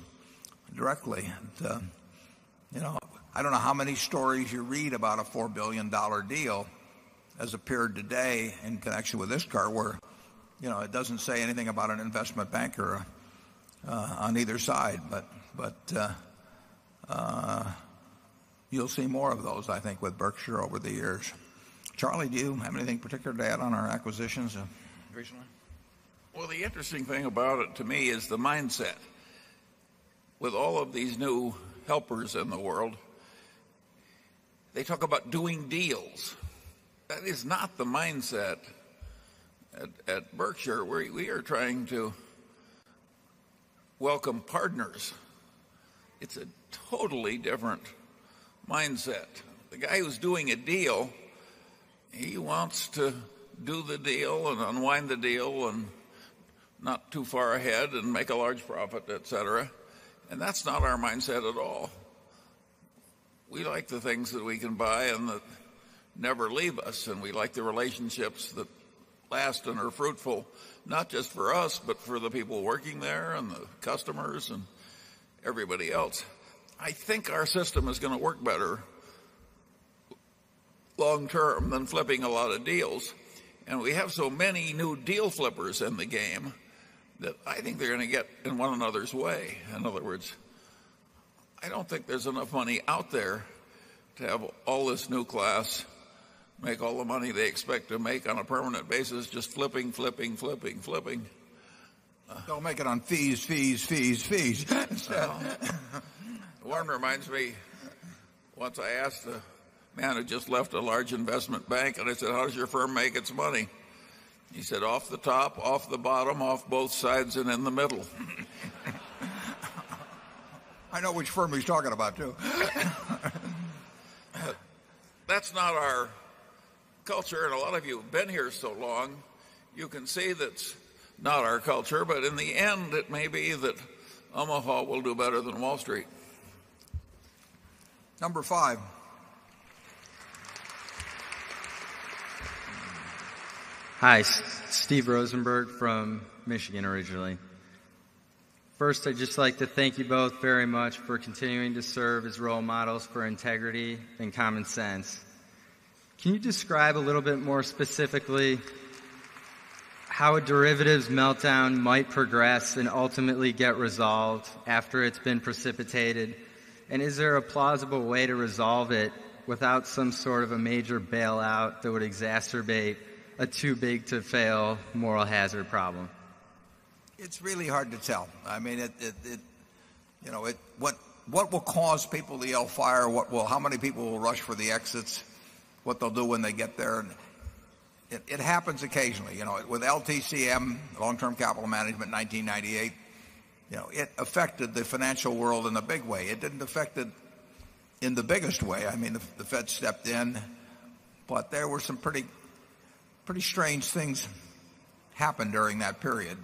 directly. I don't know how many stories you read about a $4,000,000,000 deal as appeared today and connection with this car where it doesn't say anything about an investment banker on either side, but you'll see more of those I think with Berkshire over the years. Charlie, do you have anything particular to add on our acquisitions recently? Well, the interesting thing about it to me is the mindset. With all of these new helpers in the world, They talk about doing deals. That is not the mindset at Berkshire where we are trying to welcome partners. It's a totally different mindset. The guy who's doing a deal, he wants to do the deal and unwind the deal and not too far ahead and make a large profit, etcetera. Relationships that last and are fruitful, not just for us, but for the people working there and the customers and everybody else. I think our system is going to work better long term than flipping a lot of deals. And we have so many new deal flippers in the game that I think they're going to get in one another's way. In other words, I don't think there's enough money out there to have all this new class make all the money they expect to make on a permanent basis, just flipping, flipping, flipping, flipping. Don't make it on fees, fees, fees, fees. Warren reminds me, once I asked the man who just left a large investment bank and I said, how does your firm make its money? He said, off the top, off the bottom, off both sides and in the middle. I know which firm he's talking about too. That's not our culture. And a lot of you have been here so long. You can say that's not our culture, but in the end, it may be that Omaha will do better than Wall Street. Number 5. Hi, Steve Rosenberg from Michigan originally. First, I'd just like to thank you both very much for continuing to serve as role models for integrity and common sense. Can you describe a little bit more specifically how a derivatives meltdown might progress and ultimately get resolved after it's been precipitated? And is there a plausible way to resolve it without some sort of a major bailout that would exacerbate a too big to fail moral hazard problem? It's really hard to tell. I mean, it it it it what what will cause people to yell fire? What will how many people will rush for the exits? What they'll do when they get there. It happens occasionally. With LTCM, Long Term Capital Management, 1998, It affected the financial world in a big way. It didn't affect it in the biggest way. I mean the Fed stepped in but there were some pretty pretty strange things happened during that period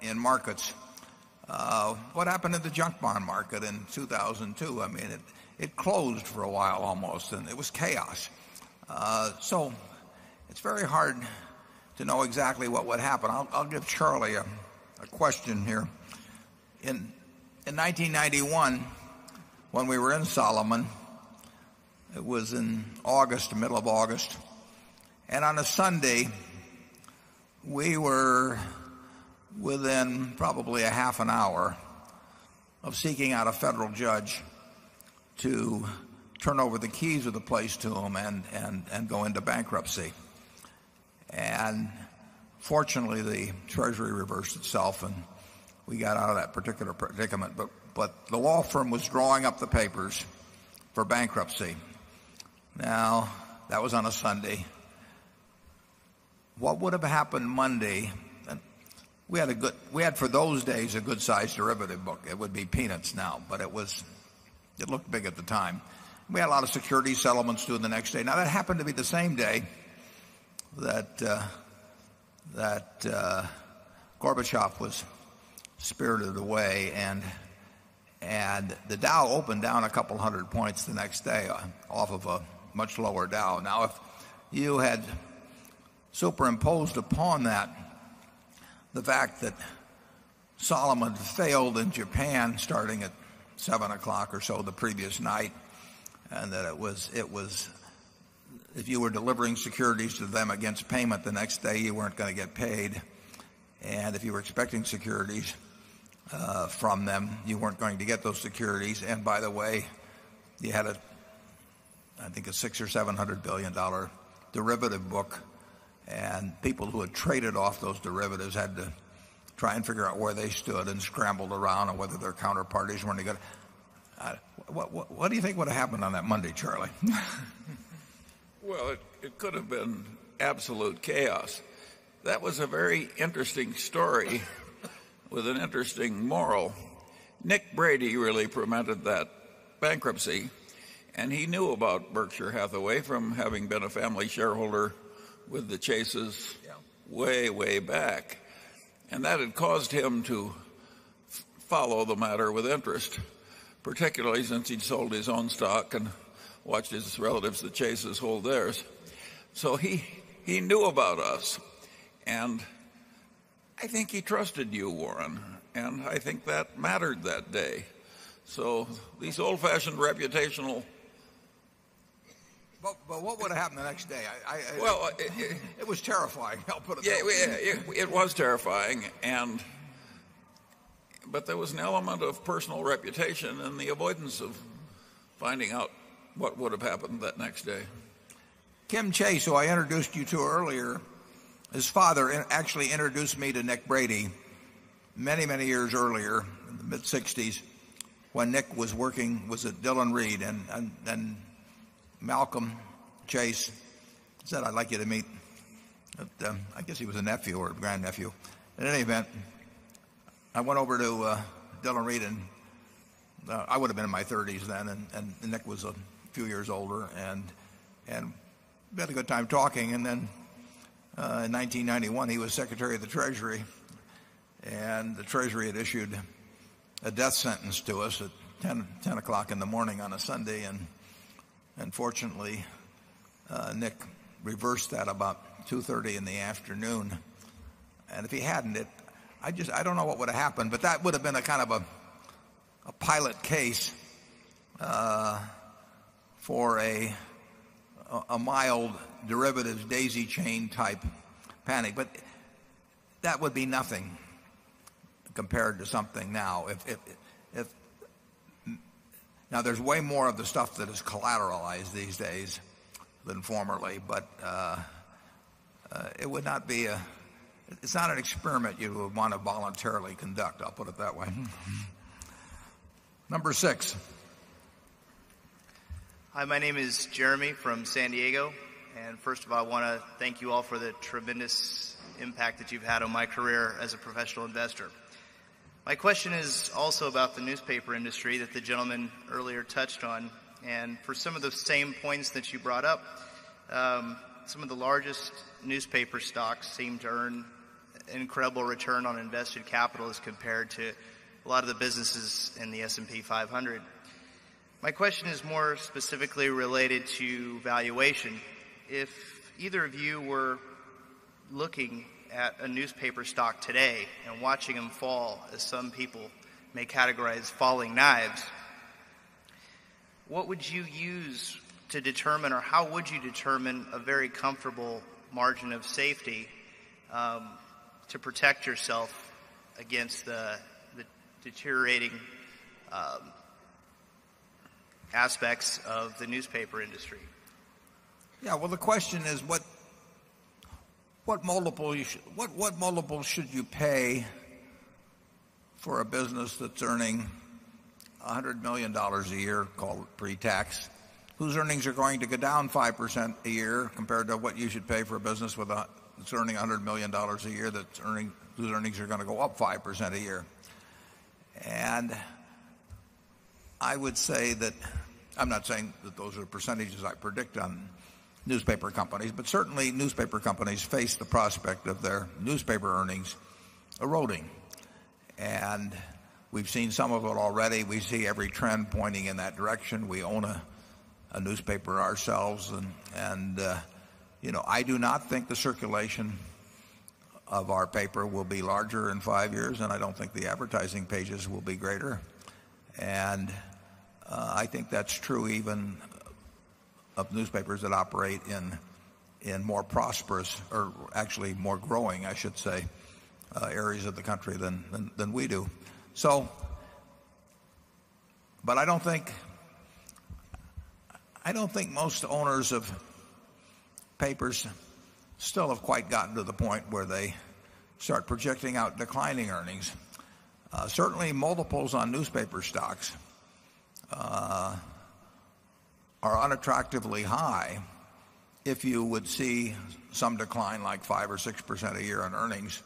in markets. What happened to the junk bond market in 2,002? I mean it closed for a while almost and it was chaos. So it's very hard to know exactly what would happen. I'll give Charlie a question here. In in 1991, when we were in Solomon, It was in August, middle of August. And on a Sunday, we were within probably a half an hour of seeking out a federal judge to turn over the keys of the place to him and go into bankruptcy. And fortunately, the Treasury reversed itself and we got out of that particular predicament. But the law firm was drawing up the papers for bankruptcy. Now that was on a Sunday. What would have happened Monday we had a good we had for those days a good sized derivative book. It would be peanuts now, but it was it looked big at the time. We had a lot of security settlements due in the next day. Now that happened to be the same day that that Gorbachev was spirit of the way and the Dow opened down a couple of 100 points the next day off of a much lower Dow. Now if you had superimposed upon that the fact that Solomon failed in Japan starting at 7 or so the previous night and that it was if you were delivering securities to them against payment the next day, you weren't going to get paid. And if you were expecting securities from them, you weren't going to get those securities. And by the way, you had a I think a $600,000,000,000 or $700,000,000,000 derivative book, and people who had traded off those derivatives had to try and figure out where they stood and scrambled around and whether their counterparties weren't what do you think would have happened on that Monday, Charlie? Well, it could have been absolute chaos. That was a very interesting story with an interesting moral. Nick Brady really prevented that bankruptcy, and he knew about Berkshire Hathaway from having been a family shareholder with the chases way, way back. And that had caused him to follow the matter with interest, particularly since he'd sold his own stock and watched his relatives at Chase's hold theirs. So he knew about us. And I think he trusted you, Warren. And I think that mattered that day. So these old fashioned reputational But what would happen the next day? I Well, it was terrifying, I'll put it on the table. Yes, it was terrifying. And but there was an element of personal reputation and the avoidance of finding out what would have happened that next day. Kim Chase, who I introduced you to earlier, his father actually introduced me to Nick Brady many, many years earlier in the mid-60s when Nick was working was at Dillon Reed and Malcolm Chase said, I'd like you to meet. But I guess he was a nephew or grand nephew. In any event, I went over to Dylan Reed, and I would have been in my 30s then, and Nick was a few years older and we had a good time talking. And then in 1991, he was Secretary of the Treasury, and the Treasury had issued a death sentence to us at 10 o'clock in the morning on a Sunday, and unfortunately, Nick reversed that about 2:30 in the afternoon. And if he hadn't, I just I don't know what would have happened, but that would have been a kind of a pilot case for a mild derivatives, daisy chain type panic. But that would be nothing compared to something now. If now there's way more of the stuff that is collateralized these days than formerly, but it would not be a it's not an experiment you would want to voluntarily conduct, I'll put it that way. Number 6. Hi. My name is Jeremy from San Diego. And first of all, I want to thank you all for the tremendous impact that you've had on my career as a professional investor. My question is also about the newspaper industry that the gentleman earlier touched on. And for some of the same points that you brought up, some of the largest newspaper stocks seem to earn incredible return on invested capital as compared to a lot of the businesses in the S and P 500. My question is more specifically related to valuation. If either of you were looking at a newspaper stock today and watching them fall as some people may categorize falling knives, What would you use to determine or how would you determine a very comfortable margin of safety to protect yourself against the deteriorating aspects of the newspaper industry? Yes. Well, the question is what multiple should you pay for a business that's earning $100,000,000 a year called pretax, whose earnings are going to go down 5% a year compared to what you should pay for a business with a that's earning $100,000,000 a year that's earning whose earnings are going to go up 5% a year. And I would say that I'm not saying that those are percentages I predict on newspaper companies, but certainly newspaper companies face the prospect of their newspaper earnings eroding. And we've seen some of it already. We see every trend pointing in that direction. We own a newspaper ourselves. And I do not think the circulation of our paper will be larger in 5 years and I don't think the advertising pages will be greater. And I think that's true even of newspapers that operate in more prosperous or actually more growing, I should say, areas of the country than we do. So but I don't think I don't think most owners of papers still have quite gotten to the point where they start projecting out declining earnings. Certainly multiples on newspaper stocks are unattractively high if you would see some decline like 5% or 6% a year on earnings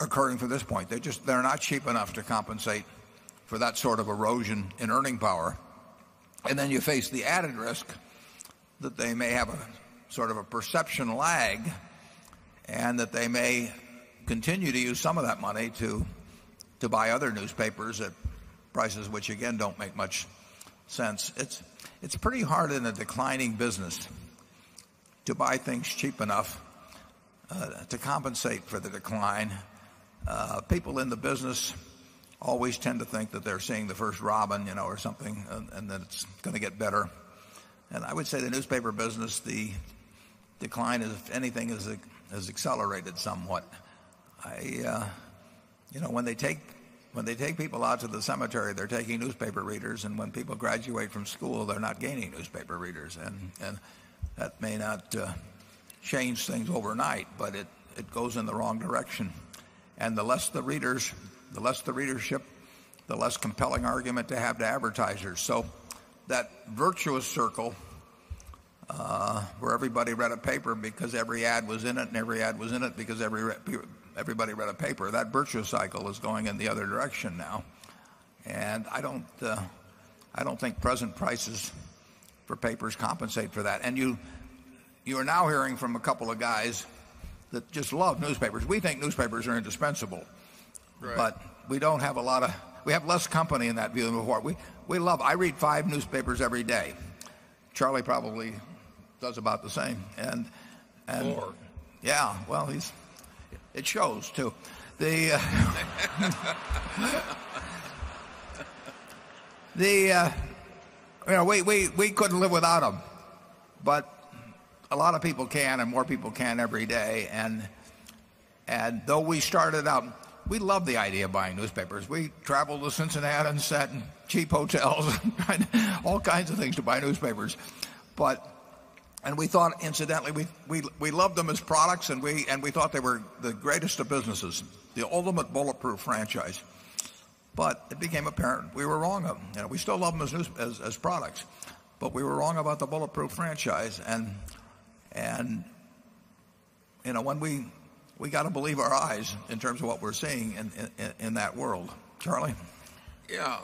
occurring from this point. They just they're not cheap enough to compensate for that sort of erosion in earning power. And then you face the added risk that they may have a sort of a perception lag and that they may continue to use some of that money to buy other newspapers at prices which again don't make much sense. It's pretty hard in a declining business to buy things cheap enough to compensate for the decline. People in the business always tend to think that they're seeing the first robin or something and that it's going to get better. And I would say the newspaper business, the decline is, if anything, has accelerated somewhat. I when they take people out to the cemetery, they're taking newspaper readers, and when people graduate from school, they're not gaining newspaper readers. And that may not change things overnight, but it goes in the wrong direction. And the less the readers the less the readership, the less compelling argument to have to advertisers. So that virtuous circle, where everybody read a paper because every ad was in it and every ad was in it because everybody read a paper. That virtuous cycle is going in the other direction now. And I don't think present prices for papers compensate for that. And you are now hearing from a couple of guys that just love newspapers. We think newspapers are indispensable, but we don't have a lot of we have less company in that view than before. We love I read 5 newspapers every day. Charlie probably does about the same. The we couldn't live without them, but a lot of people can and more people can every day. And though we started out, we love the idea of buying newspapers. We traveled to Cincinnati and sat in cheap hotels and all kinds of things to buy newspapers. But and we thought incidentally, we love them as products and we thought they were the greatest of businesses, the ultimate bulletproof franchise. But it became apparent we were wrong. We still love them as products, but we were wrong about the bulletproof franchise. And when we we got to believe our eyes in terms of what we're seeing in that world. Charlie? Yes.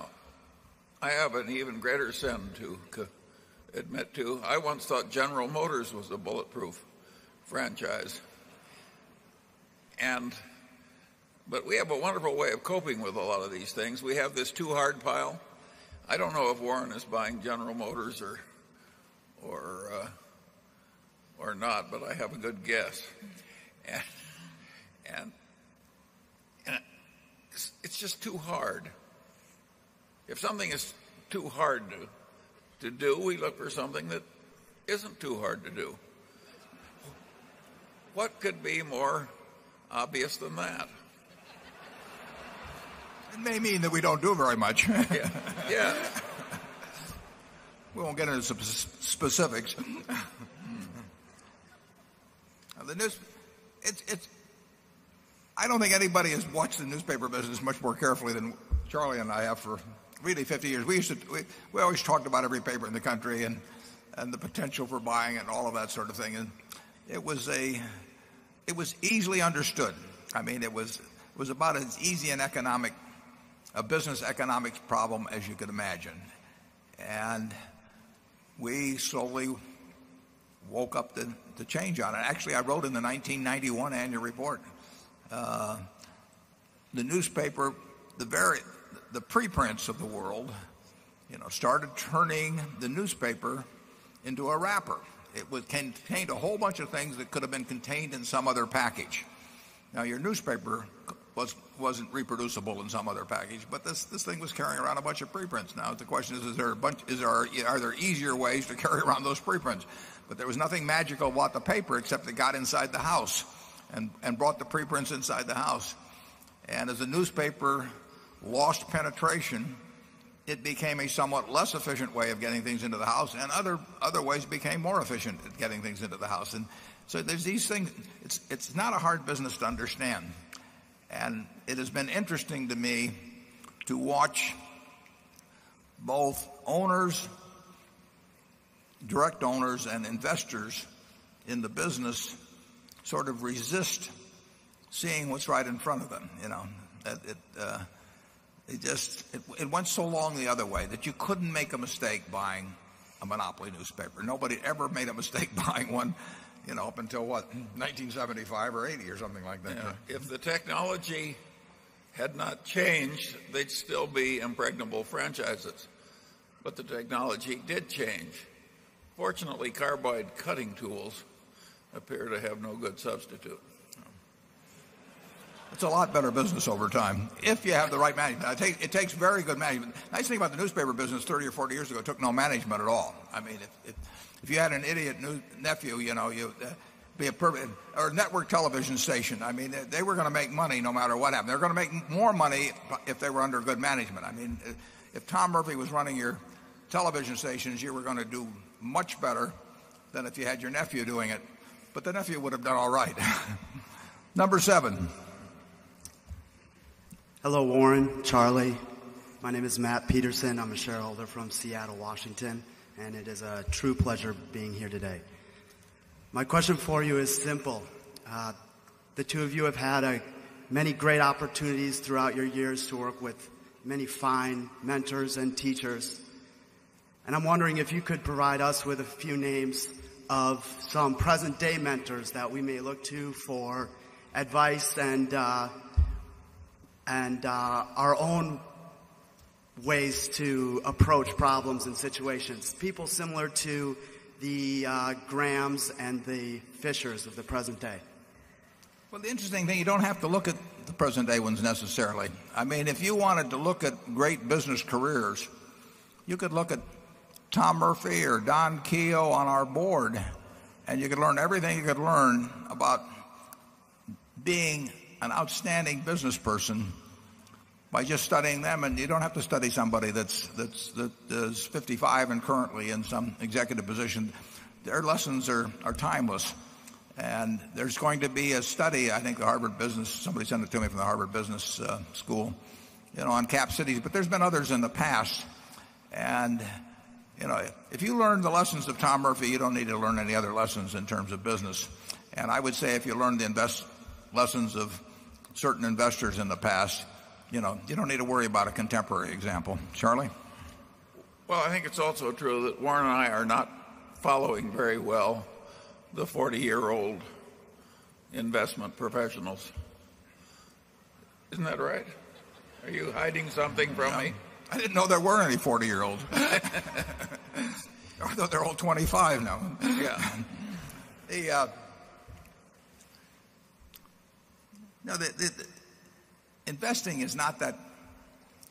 I have an even greater sin to admit to. I once thought General Motors was a bulletproof franchise. And but we have a wonderful way of coping with a lot of these things. We have this too hard pile. I don't know if Warren is buying General Motors or not, but I have a good guess. And it's just too hard. If something is too hard to do, we look for something that isn't too hard to do. What could be more obvious than that? It may mean that we don't do very much. We won't get into specifics. The news it's I don't think anybody has watched the newspaper business much more carefully than Charlie and I have for really 50 years. We used to we always talked about every paper in the country and the potential for buying and all of that sort of thing. And it was a it was easily understood. I mean, it was about as easy an economic a business economic problem as you could imagine. And we slowly woke up to change on it. Actually, I wrote in the 1991 annual report The newspaper, the very the preprints of the world started turning the newspaper into a wrapper. It contained a whole bunch of things that could have been contained in some other package. Now your newspaper wasn't reproducible in some other package, but this thing was carrying around a bunch of preprints. Now, the question is, is there a bunch is there are there easier ways to carry around those preprints? There was nothing magical about the paper except it got inside the house and brought the preprints inside the house. And as the newspaper lost penetration, it became a somewhat less efficient way of getting things into the house, and other ways became more efficient at getting things into the house. And so there's these things it's not a hard business to understand. And it has been interesting to me to watch both owners, direct owners and investors in the business sort of resist seeing what's right in front of them. It just it went so long the other way that you couldn't make a mistake buying a monopoly newspaper. Nobody ever made a mistake buying 1 up until, what, 1975 or 'eighty or something like that. Yes. If the technology had not changed, they'd still be impregnable franchises. But the technology did change. Fortunately, carbide cutting tools appear to have no good substitute. It's a lot better business over time if you have the right management. It takes very good management. I see about the newspaper business 30 or 40 years ago, it took no management at all. I mean, if you had an idiot nephew, you'd be a perfect or network television station. I mean, they were going to make money no matter what happened. They're going to make more money if they were under good management. I mean, if Tom Murphy was running your television stations, you were going to do much better than if you had your nephew doing it, but the nephew would have done all right. Number 7. Hello, Warren, Charlie. My name is Matt Peterson. I'm a shareholder from Seattle, Washington, and it is a true pleasure being here today. My question for you is simple. The 2 of you have had many great opportunities throughout your years to work with many fine mentors and teachers. And I'm wondering if you could provide us with a few names of some present day mentors that we may look to for advice and our own ways to approach problems and situations, people similar to the Grahams and the Fishers of the present day? Well, the interesting thing, you don't have to look at the present day ones necessarily. I mean, if you wanted to look at great business careers, you could look at Tom Murphy or Don Keogh on our board, and you could learn everything you could learn about being an outstanding business person by just studying them. And you don't have to study somebody that's that is 55 and currently in some executive position. Their lessons are timeless. And there's going to be a study, I think the Harvard Business somebody sent it to me from the Harvard Business School on cap cities, but there's been others in the past. And if you learn the lessons of Tom Murphy, you don't need to learn any other lessons in terms of business. And I would say if you learn the lessons of certain investors in the past, you don't need to worry about a contemporary example. Charlie? Well, I think it's also true that Warren and I are not following very well the 40 year old investment professionals. Isn't that right? Are you hiding something from me? I didn't know there were any 40 year old. I thought they're all 25 now. Yes. Investing is not that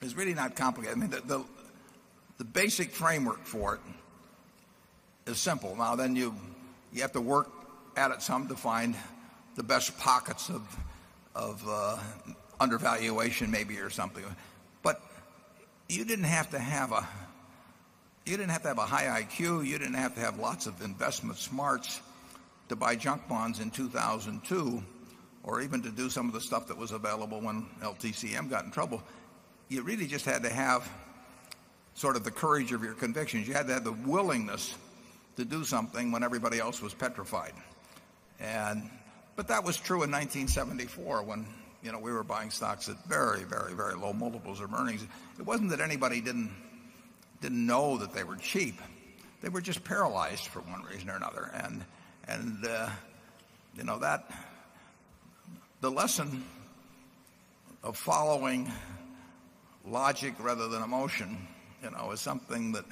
is really not complicated. I mean, the basic framework for it is simple. Now then you have to work at it some to find the best pockets of undervaluation maybe or something. But you didn't have to have a you didn't have to have a high IQ. You didn't have to have lots of investment smarts to buy junk bonds in 2,002 or even to do some of the stuff that was available when LTCM got in trouble, you really just had to have sort of the courage of your convictions. You had to have the willingness to do something when everybody else was petrified. And but that was true in 1974 when we were buying stocks at very, very, very low multiples of earnings. It wasn't that anybody didn't know that they were cheap. They were just paralyzed for one reason or another. And that the lesson of following logic rather than emotion is something that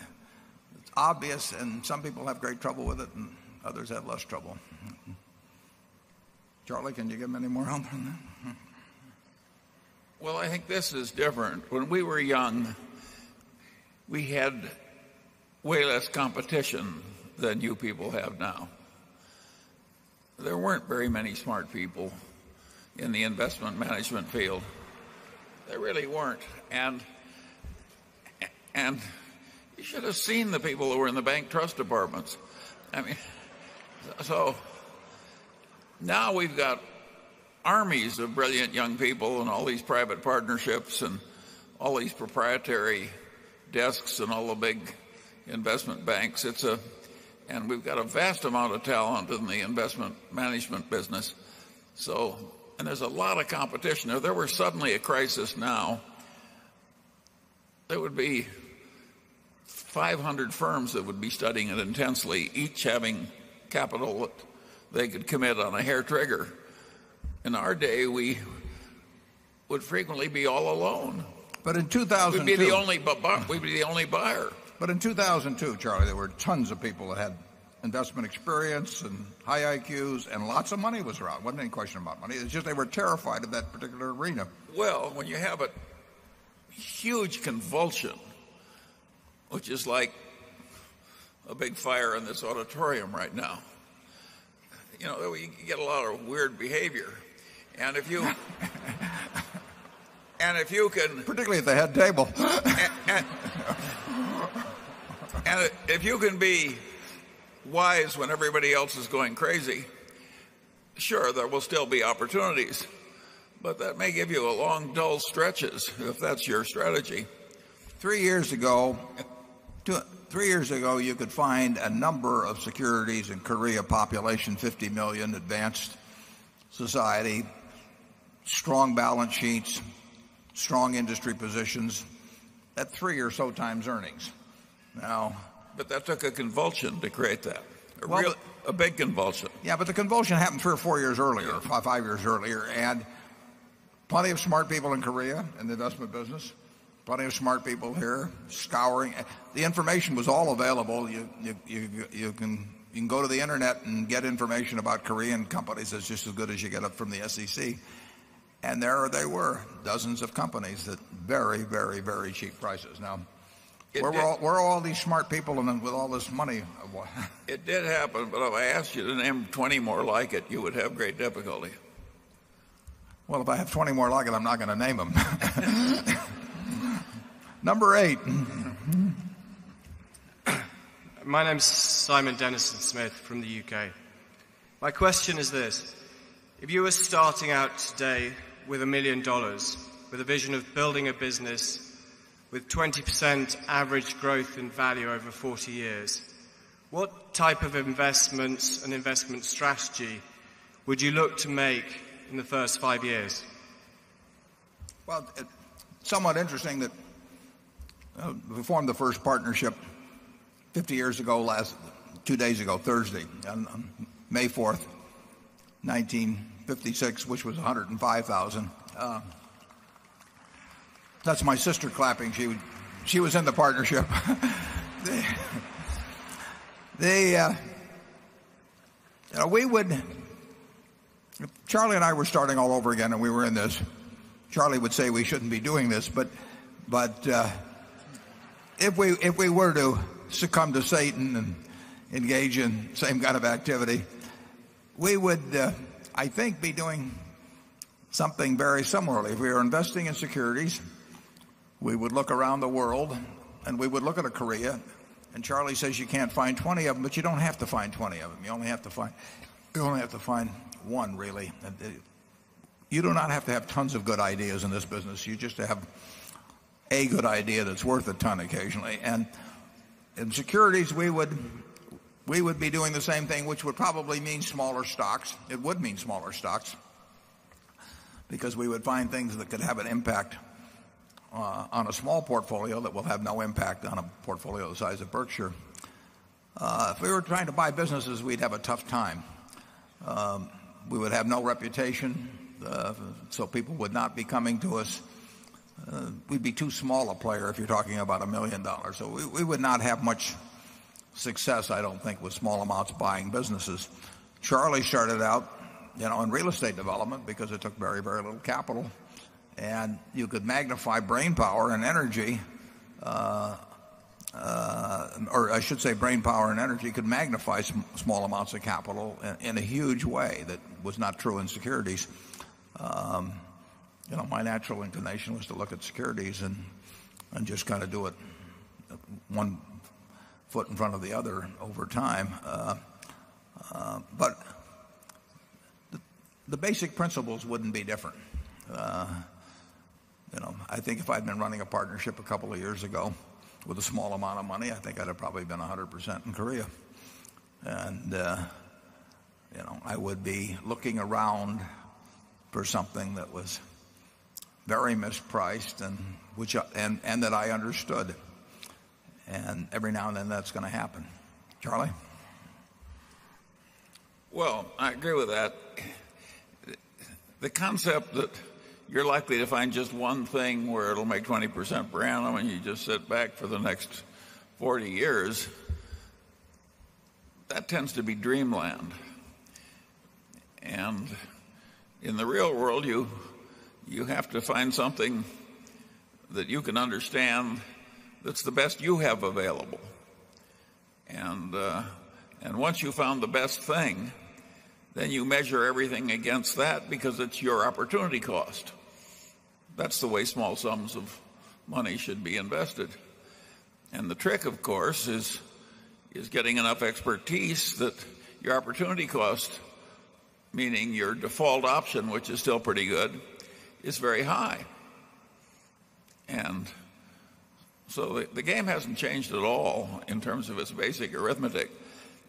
it's obvious and some people have great trouble with it and others have less trouble. Charlie, can you give me any more help on that? Well, I think this is different. When we were young, we had way less competition than you people have now. There weren't very many smart people in the investment management field. There really weren't. And you should have seen the people who were in the bank trust departments. I mean, so now we've got armies of brilliant young people and all these private partnerships and all these proprietary desks and all the big investment banks. It's a and we've got a vast amount of talent in the investment management business. So and there's a lot of competition. Now there were suddenly a crisis now. There would be 500 firms that would be studying it intensely, each having capital they could commit on a hair trigger. In our day, we would frequently be all alone. But in 2000 and 2 We'd be the only buyer. But in 2002, Charlie, there were tons of people that had investment experience and high IQs and lots of money was around. It wasn't any question about money. It's just they were terrified of that particular arena. Well, when you have a huge convulsion, which is like a big fire in this auditorium right now, You know, we get a lot of weird behavior. And if you can MR KIRBY: Particularly at the head table. And if you can be wise when everybody else is going crazy, Sure, there will still be opportunities, but that may give you a long, dull stretches if that's your strategy. 3 years ago, you could find a number of securities in Korea population, 50,000,000 advanced society, strong balance sheets, strong industry positions at 3 or so times earnings. Now But that took a convulsion to create that. A real a big convulsion. Yeah, but the convulsion happened 3 or 4 years earlier or 5 years earlier. And plenty of smart people in Korea in the investment business, plenty of smart people here scouring. The information was all available. You can go to the Internet and get information about Korean companies. It's just as good as you get up from the SEC. And there they were dozens of companies at very, very, very cheap prices. Now we're all these smart people and then with all this money, I'm we're all these smart people and then with all this money of what happened. SECRETARY It did happen, but if I asked you to name 20 more like it, you would have great difficulty. Well, if I have 20 more like it, I'm not going to name them. Number 8. My name is Simon Dennison Smith from the U. K. My question is this, if you were starting out today with $1,000,000 with a vision of building a business with 20% average growth in value over 40 years, What type of investments and investment strategy would you look to make in the 1st 5 years? Well, it's somewhat interesting that we formed the first partnership 50 years ago, last 2 days ago, Thursday, on May 4, 1956, which was 105,000. That's my sister clapping. She was in the partnership. They we would Charlie and I were starting all over again and we were in this. Charlie would say we shouldn't be doing this, but but if we if we were to succumb to Satan and engage in same kind of activity, we would, I think, be doing something very similarly. If we are investing in securities, we would look around the world, and we would look at a Korea, and Charlie says you can't find 20 of them, but you don't have to find 20 of them. You only have to find you only have to find one really. You do not have to have tons of good ideas in this business. You just have a good idea that's worth a ton occasionally. And in securities, we would be doing the same thing, which would probably mean smaller stocks. It would mean smaller stocks because we would find things that could have an impact on a small portfolio that will have no impact on a portfolio the size of Berkshire. If we were trying to buy businesses, we'd have a tough time. We would have no reputation, so people would not be coming to us. We'd be too small a player if you're talking about $1,000,000 So we would not have much success, I don't think, with small amounts buying businesses. Charlie started out in real estate development because it took very, very little capital. And you could magnify brainpower and energy or I should say brainpower and energy could magnify some small amounts of capital in a huge way that was not true in securities. My natural inclination was to look at securities and just kind of do it 1 foot in front of the other over time. But the basic principles wouldn't be different. I think if I'd been running a partnership a couple of years ago with a small amount of money, I think I'd have probably been 100% in Korea. And I would be looking around for something that was very mispriced and which and that I understood. And every now and then, that's going to happen. Charlie? Well, I agree with that. The concept that you're likely to find just one thing where it'll make 20% per annum and you just sit back for the next 40 years, that tends to be dreamland. And in the real world, you have to find something that you can understand that's the best you have available. And once you found the best thing, then you measure everything against that because it's your opportunity cost. That's the way small sums of money should be invested. And the trick, of course, is getting enough expertise that your opportunity cost, meaning your default option, which is still pretty good, is very high. And so the game hasn't changed at all in terms of its basic arithmetic.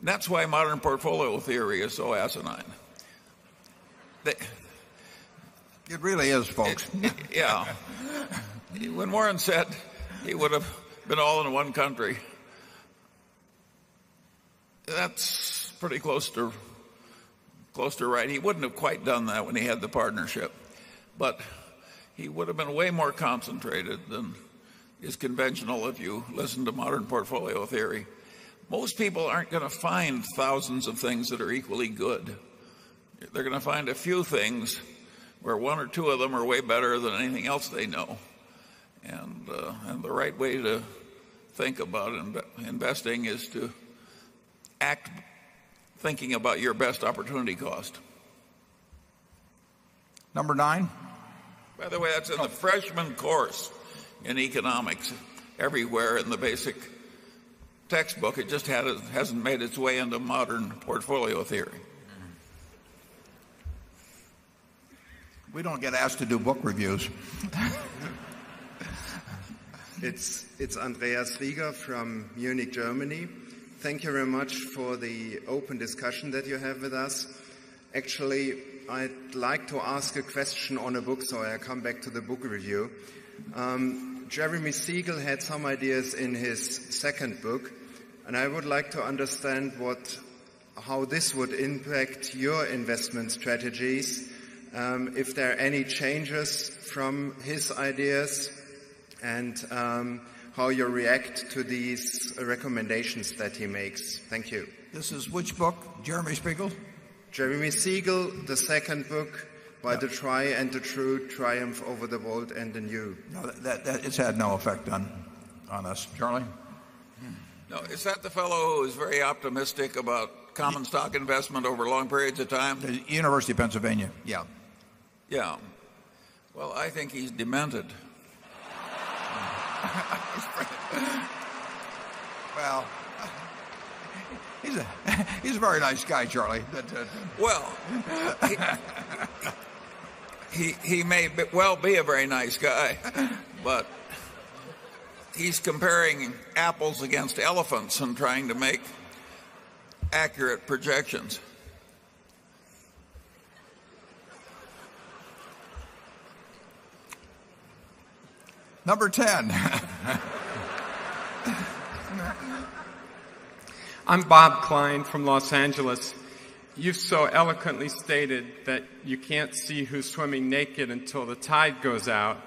And that's why modern portfolio theory is so asinine. It really is, folks. Yes. When Warren said it would have been all in one country. That's pretty close to close to right. He wouldn't have quite done that when he had the partnership, but he would have been way more concentrated than is conventional if you listen to modern portfolio theory. Most people aren't going to find thousands of things that are equally good. They're going to find a few things where 1 or 2 of them are way better than anything else they know. And the right way to think about investing is to act thinking about your best opportunity cost. Number 9? By the way, that's in the freshman course in economics everywhere in the basic textbook. It just hasn't made its way into modern portfolio theory. We don't get asked to do book reviews. It's Andreas Wieger from Munich, Germany. Thank you very much for the open discussion that you have with us. Actually, I'd like to ask a question on a book, so I come back to the book review. Jeremy Siegel had some ideas in his second book, and I would like to understand what how this would impact your investment strategies, if there are any changes from his ideas and how you react to these recommendations that he makes. Thank you. This is which book, Jeremy Spiegel? Jeremy Siegel, the second book by the Try and the True Triumph Over the World and the New. No, that it's had no effect on us. Charlie? Is that the fellow who is very optimistic about common stock investment over long periods of time? The University of Pennsylvania. Yes. Yes. Well, I think he's demanded. Well, he's a very nice guy, Charlie. Well, he may well be a very nice guy, but he's comparing apples against elephants and trying to make accurate projections. Number 10. I'm Bob Klein from Los Angeles. You've so eloquently stated that you can't see who's swimming naked until the tide goes out.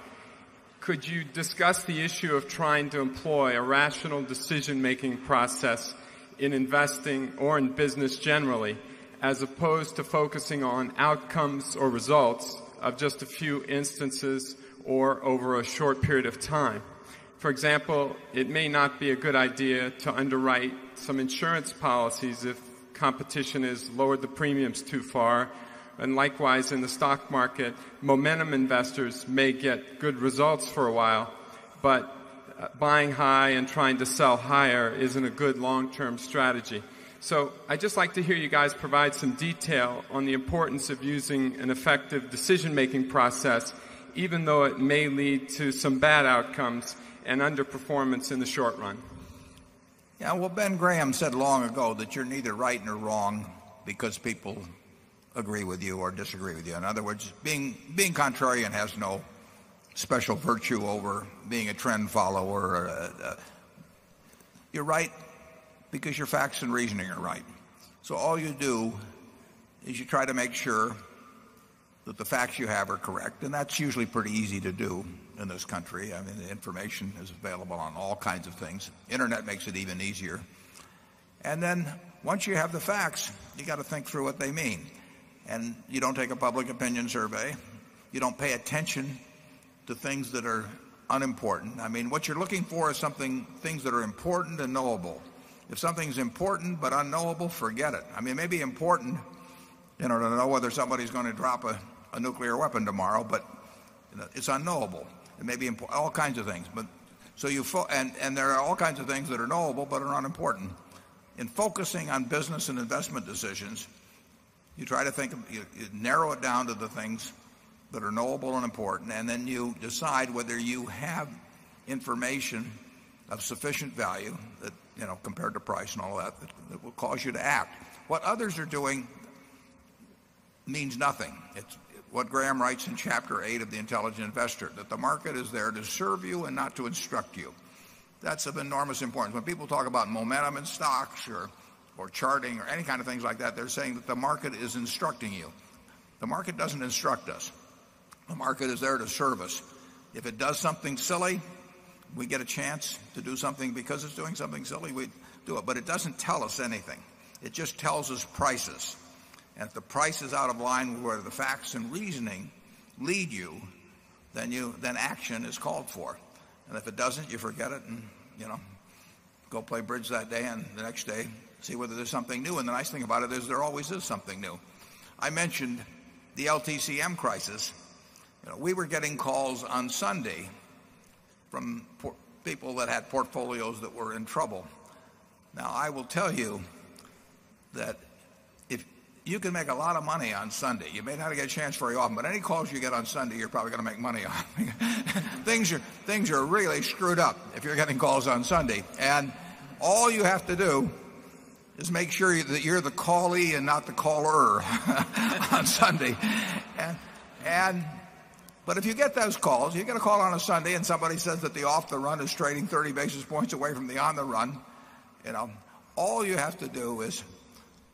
Could you discuss the issue of trying to employ a rational decision making process in investing or in business generally, as opposed to focusing on outcomes or results of just a few instances or over a short period of time. For example, it may not be a good idea to underwrite some insurance policies if competition has lowered the premiums too far. And likewise in the stock market, momentum investors may get good results for a while, but buying high and trying to sell higher isn't a good long term strategy. So I'd just like to hear you guys provide some detail on the importance of using an effective decision making process even though it may lead to some bad outcomes and underperformance in the short run. Yeah. Well, Ben Graham said long ago that you're neither right nor wrong because people agree with you or disagree with you. In other words, being contrarian has no special virtue over being a trend follower. You're right because your facts and reasoning are right. So all you do is you try to make sure that the facts you have are correct, and that's usually pretty easy to do in this country. I mean, the information is available on all kinds of things. Internet makes it even easier. And then once you have the facts, you got to think through what they mean. And you don't take a public opinion survey. You don't pay attention to things that are unimportant. I mean, what you're looking for is something things that are important and knowable. If something's important but unknowable, forget it. I mean, it may be important in order to know whether somebody's going to drop a nuclear weapon tomorrow, but it's unknowable. It may be all kinds of things. But so you and there are all kinds of things that are knowable but are unimportant. In focusing on business and investment decisions, you try to think of you narrow it down to the things that are knowable and important, and then you decide whether you have information of sufficient value that compared to price and all that that will cause you to act. What others are doing means nothing. It's what Graham writes in Chapter 8 of The Intelligent Investor, that the market is there to serve you and not to instruct you. That's of enormous importance. When people talk about momentum in stocks or charting or any kind of things like that, they're saying that the market is instructing you. The market doesn't instruct us. The market is there to serve us. If it does something silly, we get a chance to do something because it's doing something silly, we'd do it. But it doesn't tell us anything. It just tells us prices. And if the price is out of line where the facts and reasoning lead you, then you then action is called for. And if it doesn't, you forget it and go play bridge that day and the next day, see whether there's something new. And the nice thing about it is there always is something new. I mentioned the LTCM crisis. We were getting calls on Sunday from people that had portfolios that were in trouble. Now, I will tell you that if you can make a lot of money on Sunday, you may not get a chance very often, but any calls you get on Sunday, you're probably going to make money on. Things are really screwed up if you're getting calls on Sunday. And all you have to do is make sure that you're the callee and not the caller on Sunday. And but if you get those calls, you get a call on a Sunday and somebody says that the off the run is trading 30 basis points away from the on the run, all you have to do is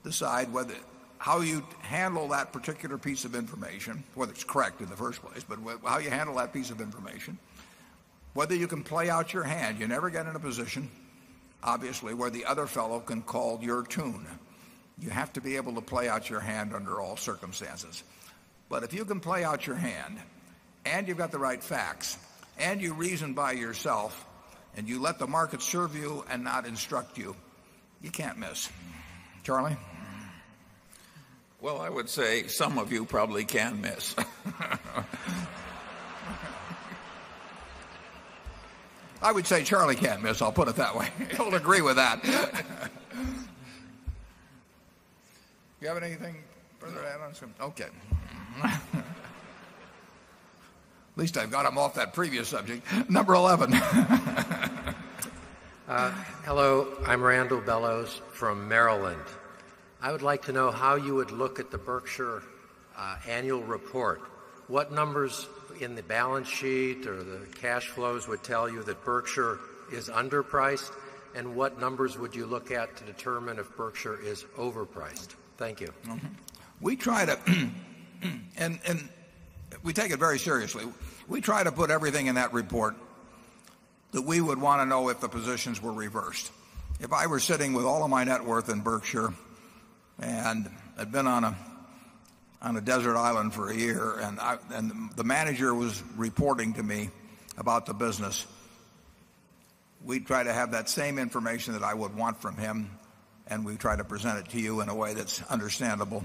decide whether how you handle that particular piece of information, whether it's correct in the first place, but how you handle that piece of information, whether you can play out your hand. You never get in a position, obviously, where the other fellow can call your tune. You have to be able to play out your hand under all circumstances. But if you can play out your hand and you've got the right facts and you reason by yourself and you let the market serve you and not instruct you, you can't miss. Charlie? Well, I would say some of you probably can miss. I would say Charlie can't miss. I'll put it that way. I'll agree with that. Do you have anything further to add on? Okay. At least I've got them off that previous subject. Number 11. Hello. I'm Randall Bellows from Maryland. I would like to know how you would look at the Berkshire Annual Report. What numbers in the balance sheet or the cash flows would tell you that Berkshire is underpriced? And what numbers would you look at to determine if Berkshire is overpriced? Thank you. SECRETARY We try to and we take it very seriously. We try to put everything in that report that we would want to know if the positions were reversed. If I were sitting with all of my net worth in Berkshire and I'd been on a desert island for a year and the manager was reporting to me about the business. We try to have that same information that I would want from him and we try to present it to you in a way that's understandable.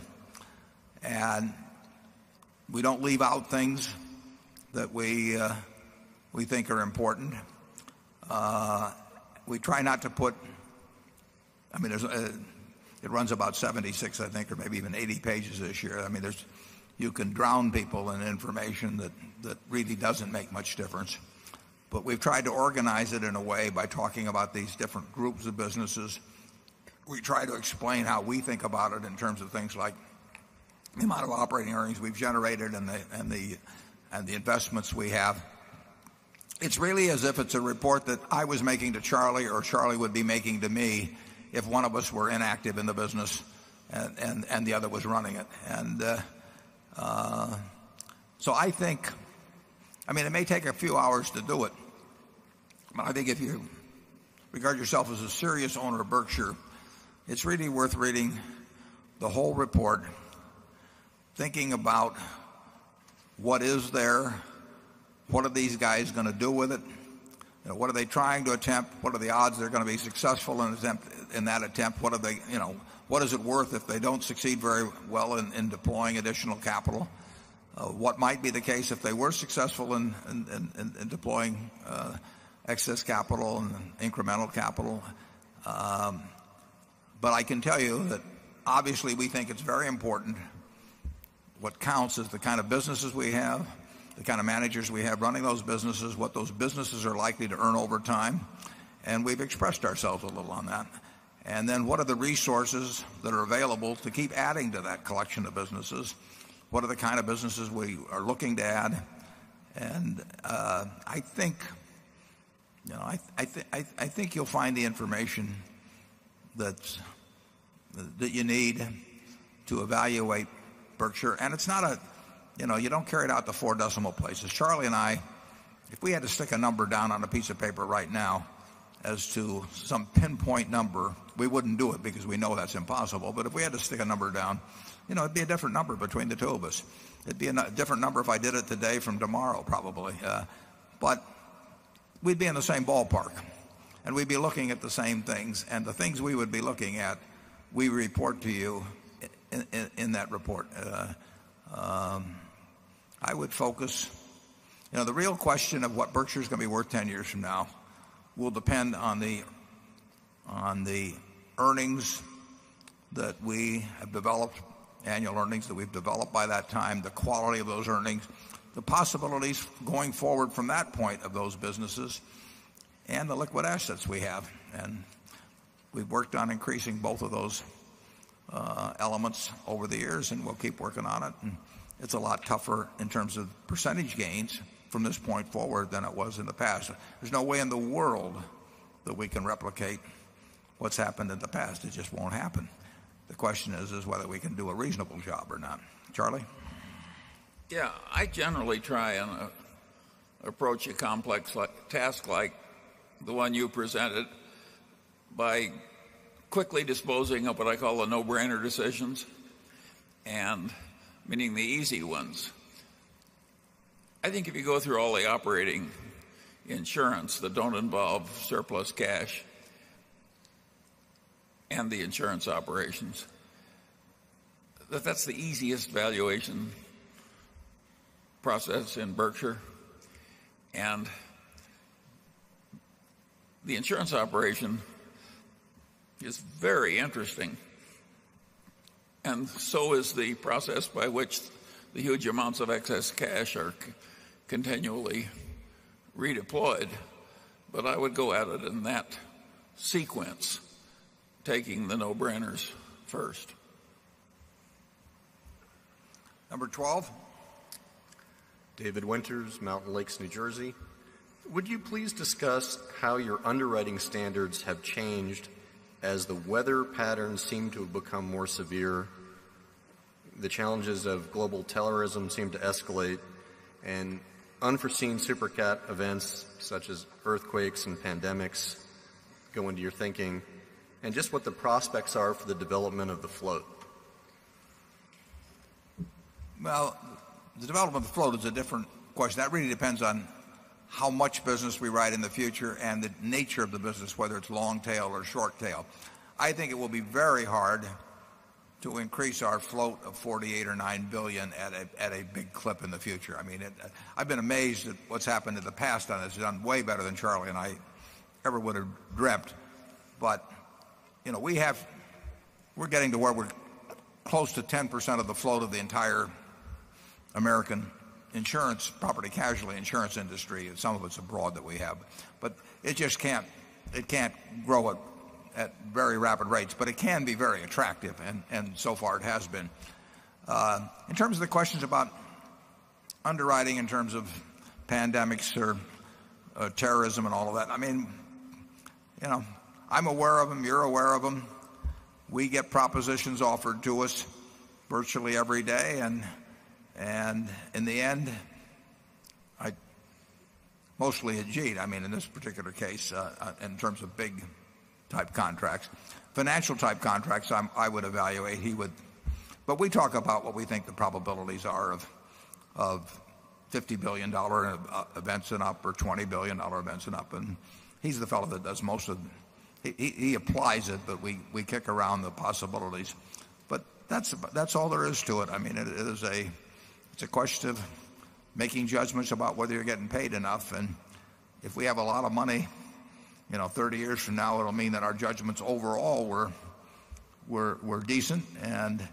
And we don't leave out things that we think are important. We try not to put I mean, it runs about 76, I think, or maybe even 80 pages this year. I mean, there's you can drown people in information that really doesn't make much difference. But we've tried to organize it in a way by talking about these different groups of businesses. We try to explain how we think about it in terms of things like the amount of operating earnings we've generated and the investments we have. It's really as if it's a report that I was making to Charlie or Charlie would be making to me if one of us were inactive in the business and the other was running it. And so I think I mean, it may take a few hours to do it. I think if you regard yourself as a serious owner of Berkshire, it's really worth reading the whole report, thinking about what is there, what are these guys going to do with it, what are they trying to attempt, what are the odds they're going to be successful in that attempt, what are they what is it worth if they don't succeed very well in deploying additional capital? What might be the case if they were successful in deploying excess capital and incremental capital. But I can tell you that obviously we think it's very important. What counts is the kind of businesses we have, the kind of managers we have running those businesses, what those businesses are likely to earn over time, and we've expressed ourselves a little on that. And then what are the resources that are available to keep adding to that collection of businesses? What are the kind of businesses we are looking to add? And I think you'll find the information that you need to evaluate Berkshire. And it's not a you don't carry it out to 4 decimal places. Charlie and I, if we had to stick a number down on a piece of paper right now as to some pinpoint number, we wouldn't do it because we know that's impossible. But if we had to stick a number down, it'd be a different number between the 2 of us. It'd be a different number if I did it today from tomorrow probably. But we'd be in the same ballpark, and we'd be looking at the same things. And the things we would be looking at, we report to you in that report. I would focus the real question of what Berkshire is going to be worth 10 years from now will depend on the earnings that we have developed, annual earnings that developed by that time, the quality of those earnings, the possibilities going forward from that point of those businesses, and the liquid assets we have. And we've worked on increasing both of those elements over the years and we'll keep working on it. And it's a lot tougher in terms of percentage gains from this point forward than it was in the past. There's no way in the world that we can replicate what's happened in the past. It just won't happen. The question is, is whether we can do a reasonable job or not. Charlie? Yes. I generally try and approach a complex task like the one you presented by quickly disposing of what I call a no brainer decisions and meaning the easy ones. I think if you go through all the operating insurance that don't involve surplus cash and the insurance operations. That's the easiest valuation process in Berkshire. And the insurance operation is very interesting. And so is the process by which the huge amounts of excess cash are continually redeployed. But I would go at it in that sequence, taking the no brainers first. Number 12? David Winters, Mountain Lakes, New Jersey. Would you please discuss how your underwriting standards have changed as the weather patterns seem to have become more severe, the challenges of global terrorism seem to escalate and unforeseen super cat events such as earthquakes and pandemics go into your thinking? And just what the prospects are for the development of the float? Well, the development of the float is a different question. That really depends on how much business we ride in the future and the nature of the business, whether it's long tail or short tail. I think it will be very hard to increase our float of $48,000,000,000 or $9,000,000,000 at a big clip in the future. I mean, I've been amazed at what's happened in the past, and it's done way better than Charlie and I ever would have dreamt. But we have we're getting to where we're close to 10% of the float of the entire American insurance, property casualty insurance industry, and some of it's abroad that we have. But it just can't it can't grow at very rapid rates, but it can be very attractive, and so far it has been. In terms of the questions about underwriting in terms of pandemics or terrorism and all of that, I mean, I'm aware of them, you're aware of them. We get propositions offered to us virtually every day. And in the end, I mostly had Jeet, I mean, in this particular case, in terms of big type contracts. Financial type contracts, I would evaluate. He would but we talk about what we think the probabilities are of $50,000,000,000 events and up or $20,000,000,000 events and up. And he's the fellow that does most of he applies it, but we kick around the possibilities. But that's all there is to it. I mean, it is a question of making judgments about whether you're getting paid enough. And if we have a lot of money 30 years from now, it'll mean that our judgments overall were decent. And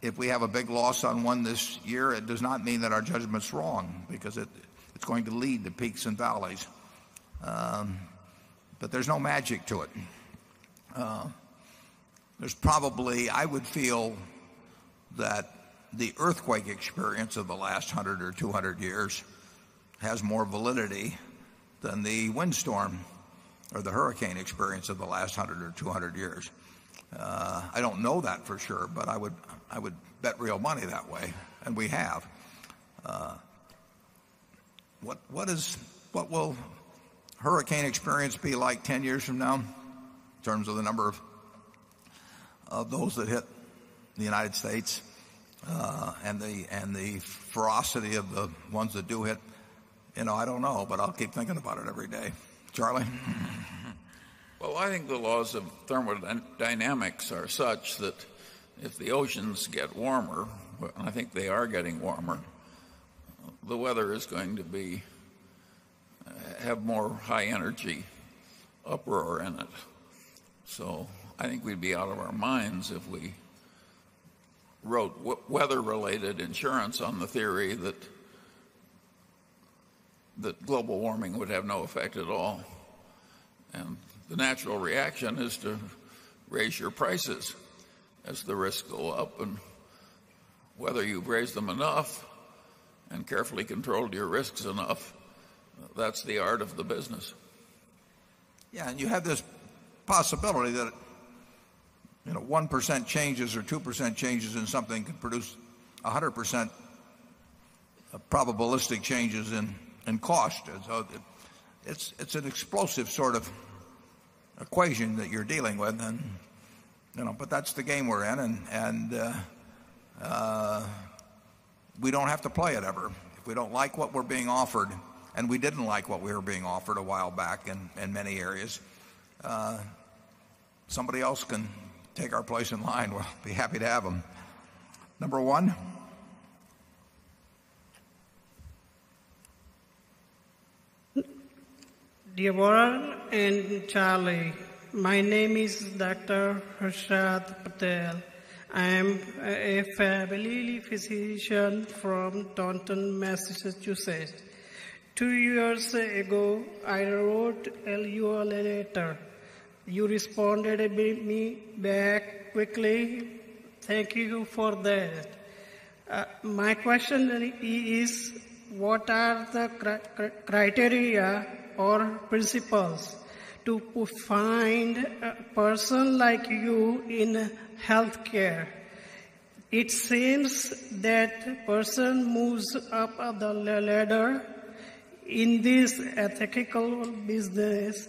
if we have a big loss on 1 this year, it does not mean that our judgment's wrong because it's going to lead to peaks and valleys. But there's no magic to it. There's probably I would feel that the earthquake experience of the last 100 or 200 years has more validity than the windstorm or the hurricane experience of the last 100 or 200 years. I don't know that for sure, but I would bet real money that way, and we have. What is what will hurricane experience be like 10 years from now in terms of the number of those that hit the United States and the and the ferocity of the ones that do hit? I don't know, but I'll keep thinking about it every day. Charlie? Well, I think the laws of thermodynamics are such that if the oceans get warmer, I think they are getting warmer, the weather is going to be have more high energy uproar in it. So I think we'd be out of our minds if we wrote weather related insurance on the theory that global warming would have no effect at all. And the natural reaction is to raise your prices as the risks go up and whether you raise them enough and carefully controlled your risks enough, that's the art of the business. Yes. And you have this possibility that 1% changes or 2% changes in something could produce 100% probabilistic changes in cost. It's an explosive sort of equation that you're dealing with. And but that's the game we're in, and we don't have to play it ever. If we don't like what we're being offered, and we didn't like what we were being offered a while back in many areas, Somebody else can take our place in line, we'll be happy to have them. Number 1? Dear Warren and Charlie, my name is Doctor. Harshad Patel. I am a family physician from Taunton, Massachusetts. 2 years ago, I wrote and you all later. You responded me back quickly. Thank you for that. My question is what are the criteria or principles to find a person like you in healthcare. It seems that person moves up the ladder in this ethical business.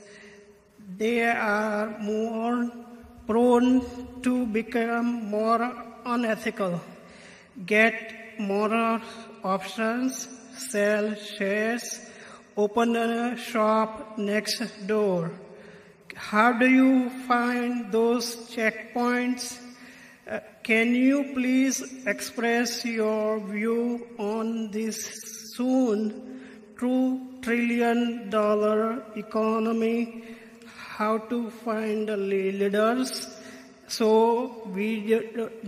They are more prone to become more unethical, get more options, sell shares, open the shop next door. How do you find those checkpoints? Can you please express your view on this soon $2,000,000,000,000 economy, how to find leaders, so we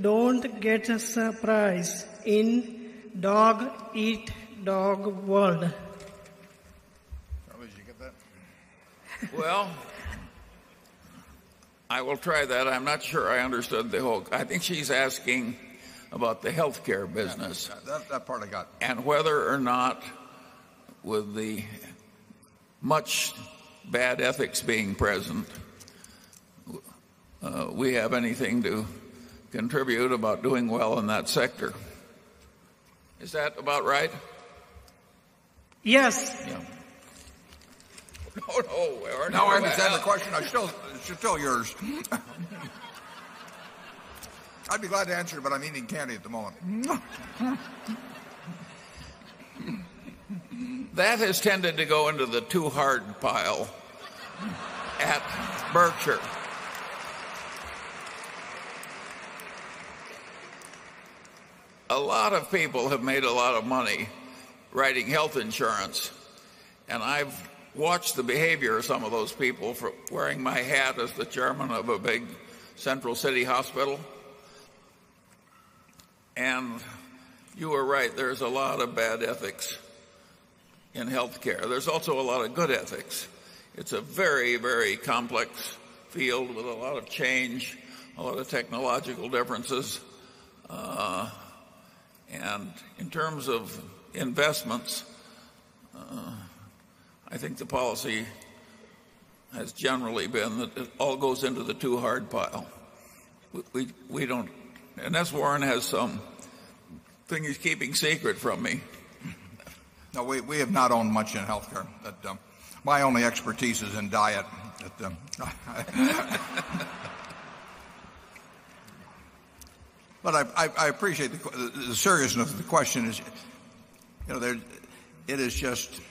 don't get a surprise in dog eat dog world. Well, I will try that. I'm not sure I understood the whole. I think she's asking about the health care business. That part I got. And whether or not with the much bad ethics being present, we have anything to contribute about doing well in that sector. Is that about right? Yes. Now I understand the question. It's still yours. I'd be glad to answer it, but I'm eating candy at the moment. That has tended to go into the too hard pile at Berkshire. A lot of people have made a lot of money writing health insurance, and I've watched the behavior of some of those people from wearing my hat as the chairman of a big central city hospital. And you were right, there's a lot of bad ethics in health care. There's also a lot of good ethics. It's a very, very complex field with a lot of change, a lot of technological differences. And in terms of investments, I think the policy has generally been that it all goes into the too hard pile. We don't and that's Warren has some thing he's keeping secret from me. No, we have not owned much in health care. But my only expertise is in diet. But I appreciate the seriousness of the question is it is just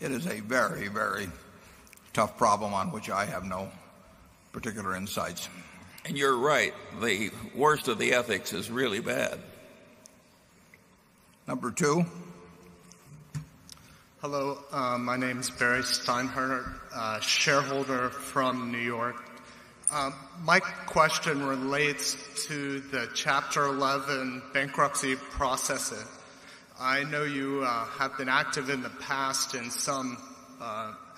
it is a very, very tough problem on which I have no particular insights. And you're right. The worst of the ethics is really bad. Number 2? Hello. My name is Barry Steinherner, shareholder from New York. My question relates to the Chapter 11 bankruptcy process. I know you have been active in the past in some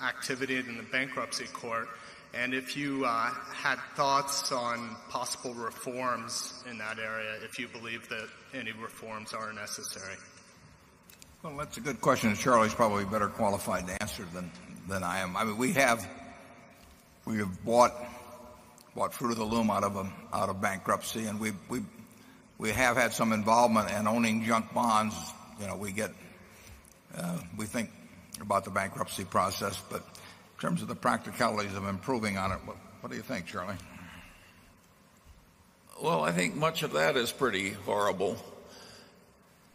activity in the bankruptcy court. And if you had thoughts on possible reforms in that area, if you believe that any reforms are necessary. Well, that's a good question, and Charlie's probably better qualified to answer than I am. I mean, we have we have bought fruit of the loom out of bankruptcy, and we have had some involvement in owning junk bonds. We get we think about the bankruptcy process. But in terms of the practicalities of improving on it, what do you think, Charlie? Well, I think much of that is pretty horrible.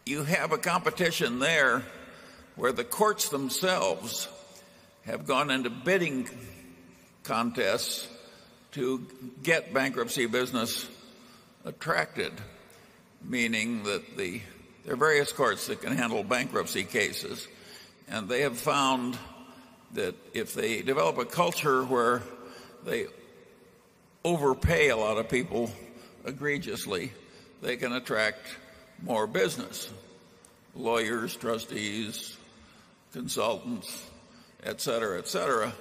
You have a competition there where the courts themselves have gone into bidding contests to get bankruptcy business attracted, meaning that the there are various courts that can handle bankruptcy cases. And they have found that if they develop a culture where they overpay a lot of people egregiously, they can attract more business. Lawyers, trustees, consultants, etcetera, etcetera.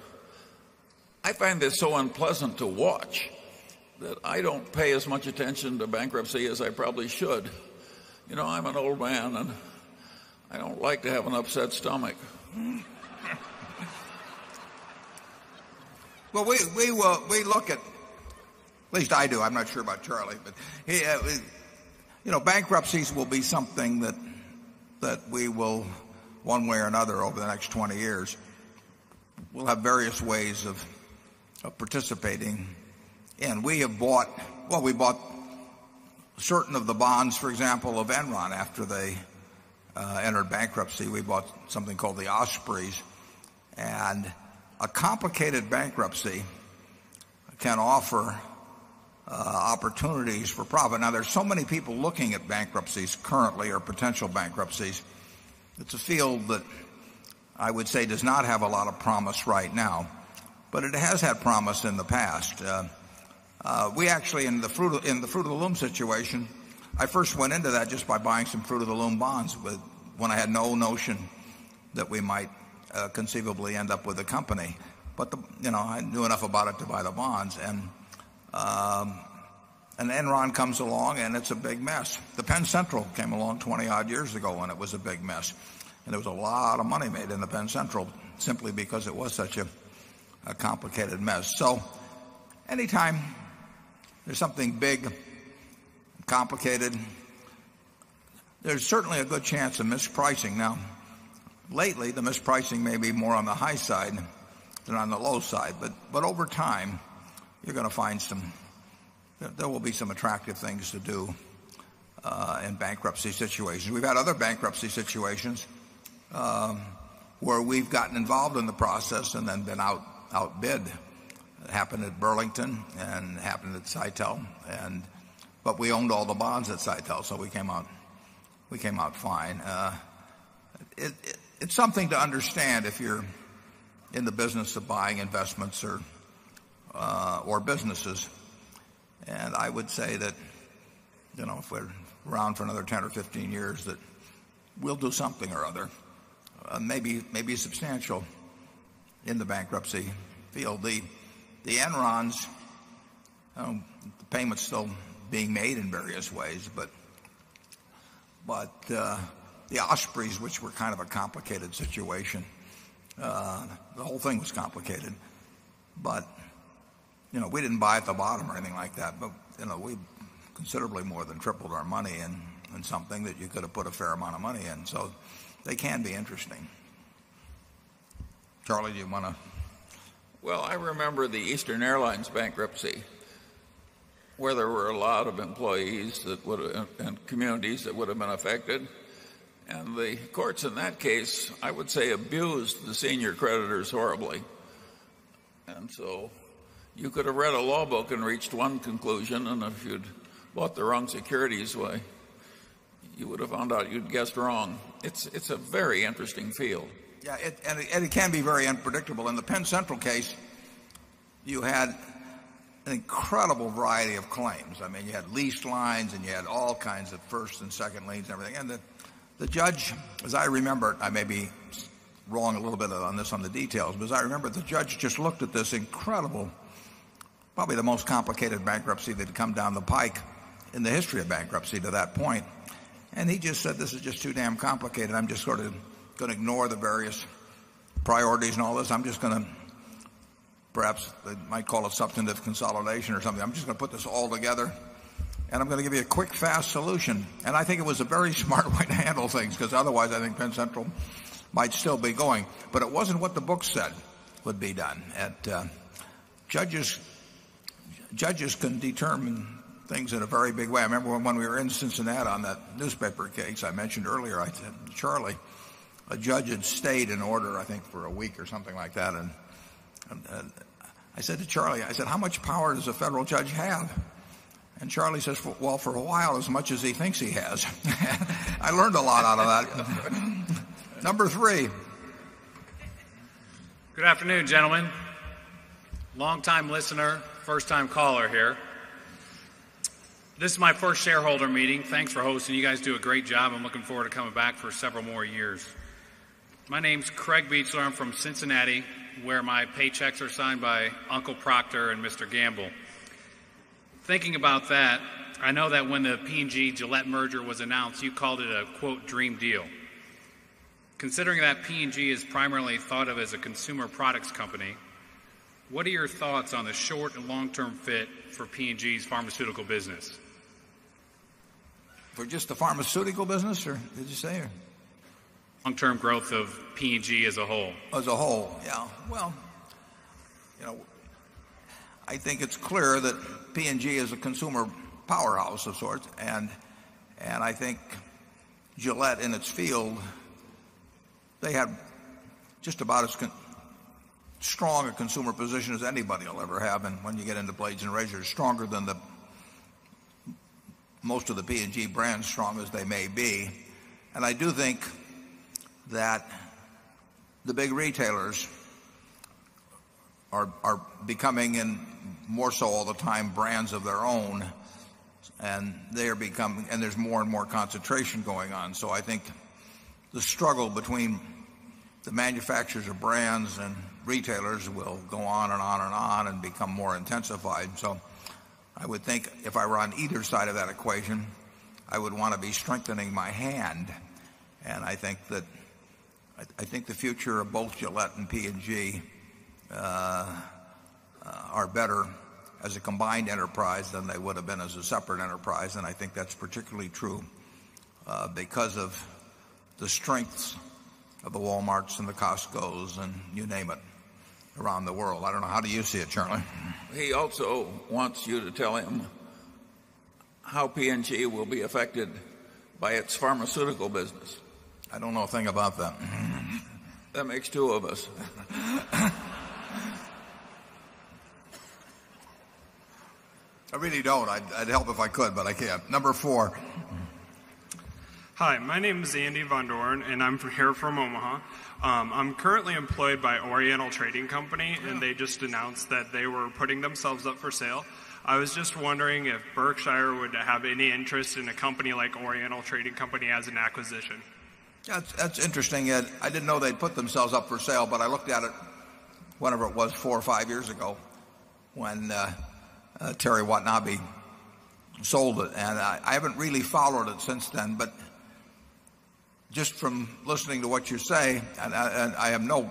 I find this so unpleasant to watch that I don't pay as much attention to bankruptcy as I probably should. You know, I'm an old man and I don't like to have an upset stomach. Well, we will we look at at least I do. I'm not sure about Charlie, but bankruptcies will be something that we will one way or another over the next 20 years. We'll have various ways of participating. And we have bought well, we bought certain of the bonds, for example, of Enron after they entered bankruptcy, we bought something called the Ospreys. And a complicated bankruptcy can offer opportunities for profit. Now there are so many people looking at bankruptcies currently or potential bankruptcies. It's a field that I would say does not have a lot of promise right now, but it has had promise in the past. We actually in the fruit of the Loom situation, I first went into that just by buying some fruit of the loom bonds when I had no notion that we might conceivably end up with a company. But I knew enough about it to buy the bonds. And Enron comes along and it's a big mess. The Penn Central came along 20 odd years ago when it was a big mess, and there was a lot of money made in the Penn Central simply because it was such a complicated mess. So anytime there's something big, complicated, There's certainly a good chance of mispricing. Now lately, the mispricing may be more on the high side than on the low side, but over time, you're going to find some there will be some attractive things to do in bankruptcy situations. We've had other bankruptcy situations where we've gotten involved in the process and then been outbid. It happened at Burlington and happened at Sitel. And but we owned all the bonds at Sitel, so we came out fine. It's something to understand if you're in the business of buying investments or businesses. And I would say that if we're around for another 10 or 15 years that we'll do something or other, maybe substantial in the bankruptcy field. The Enrons, the payment's still being made in various ways, But the Ospreys, which were kind of a complicated situation, the whole thing was complicated. But we didn't buy at the bottom or anything like that, but we considerably more than tripled our money in something that you could have put a fair amount of money in. So they can be interesting. Charlie, do you want to? Well, I remember the Eastern Airlines bankruptcy where there were a lot of employees that would and communities that would have been affected and the courts in that case, I would say, abused the senior creditors horribly. And so you could have read a law book and reached one conclusion. And if you'd bought their own securities way, you would have found out you'd guessed wrong. It's a very interesting field. Yes. And it can be very unpredictable. In the Penn Central case, you had an incredible variety of claims. I mean, you had lease lines and you had all kinds of first and second liens and everything. And the judge, as I remember I may be wrong a little bit on this on the details, but as I remember, the judge just looked at this incredible, probably the most complicated bankruptcy that had come down the pike in the history of bankruptcy to that point. And he just said, This is just too damn complicated. I'm just sort of going to ignore the various priorities and all this. I'm just going to perhaps might call it substantive consolidation or something. I'm just going to put this all together and I'm going to give you a quick, fast solution. And I think it was a very smart way to handle things because otherwise I think Penn Central might still be going. But it wasn't what the book said would be done. And judges can determine things in a very big way. I remember when we were in Cincinnati on that newspaper case I mentioned earlier, I said to Charlie, a judge had stayed in order, I think, for a week or something like that. And I said to Charlie, I said, How much power does a federal judge have? And Charlie says, Well, for a while, as much as he thinks he has. I learned a lot out of that. Number 3. Good afternoon, gentlemen. Long time listener, first time caller here. This is my 1st shareholder meeting. Thanks for hosting. You guys do a great job. I'm looking forward to coming back for several more years. My name is Craig Beechler. I'm from Cincinnati, where my paychecks are signed by Uncle Procter and Mr. Gamble. Thinking about that, I know that when the P and G Gillette merger was announced, you called it a, quote, dream deal. Considering that P&G is primarily thought of as a consumer products company, what are your thoughts on the short and long term fit for P&G's pharmaceutical business? For just the pharmaceutical business or did you say? Long term growth of P&G as a whole. As a whole, yes. Well, I think it's clear that P&G is a consumer powerhouse of sorts, and I think Gillette in its field, they have just about as strong a consumer position as anybody will ever have. And when you get into blades and razors, stronger than the most of the P and G brands, strong as they may be. And I do think that the big retailers are becoming more so all the time brands of their own, and they are becoming and there's more and more concentration going on. So I think the struggle between the manufacturers of brands and retailers will go on and on and on and become more intensified. So I would think if I were on either side of that equation, I would want to be strengthening my hand. And I think that I think the future of both Gillette and P&G are better as a combined enterprise than they would have been as a separate enterprise. And I think that's particularly true because of the strengths of the Walmarts and the Cascos and you name it around the world. I don't know how do you see it, Charlie? He also wants you to tell him how P&G will be affected by its pharmaceutical business? I don't know a thing about that. That makes 2 of us. I really don't. I'd help if I could, but I can't. Number 4. Hi. My name is Andy Von Dorn, and I'm here from Omaha. I'm currently employed by Oriental Trading Company, and they just announced that they were putting themselves up for sale. I was just wondering if Berkshire would have any interest in a company like Oriental Trading Company as an acquisition. That's interesting. I didn't know they'd put themselves up for sale, but I looked at it whenever it was 4 or 5 years ago when Terry Watanabe sold it. And I haven't really followed it since then. But just from listening to what you say, and I have no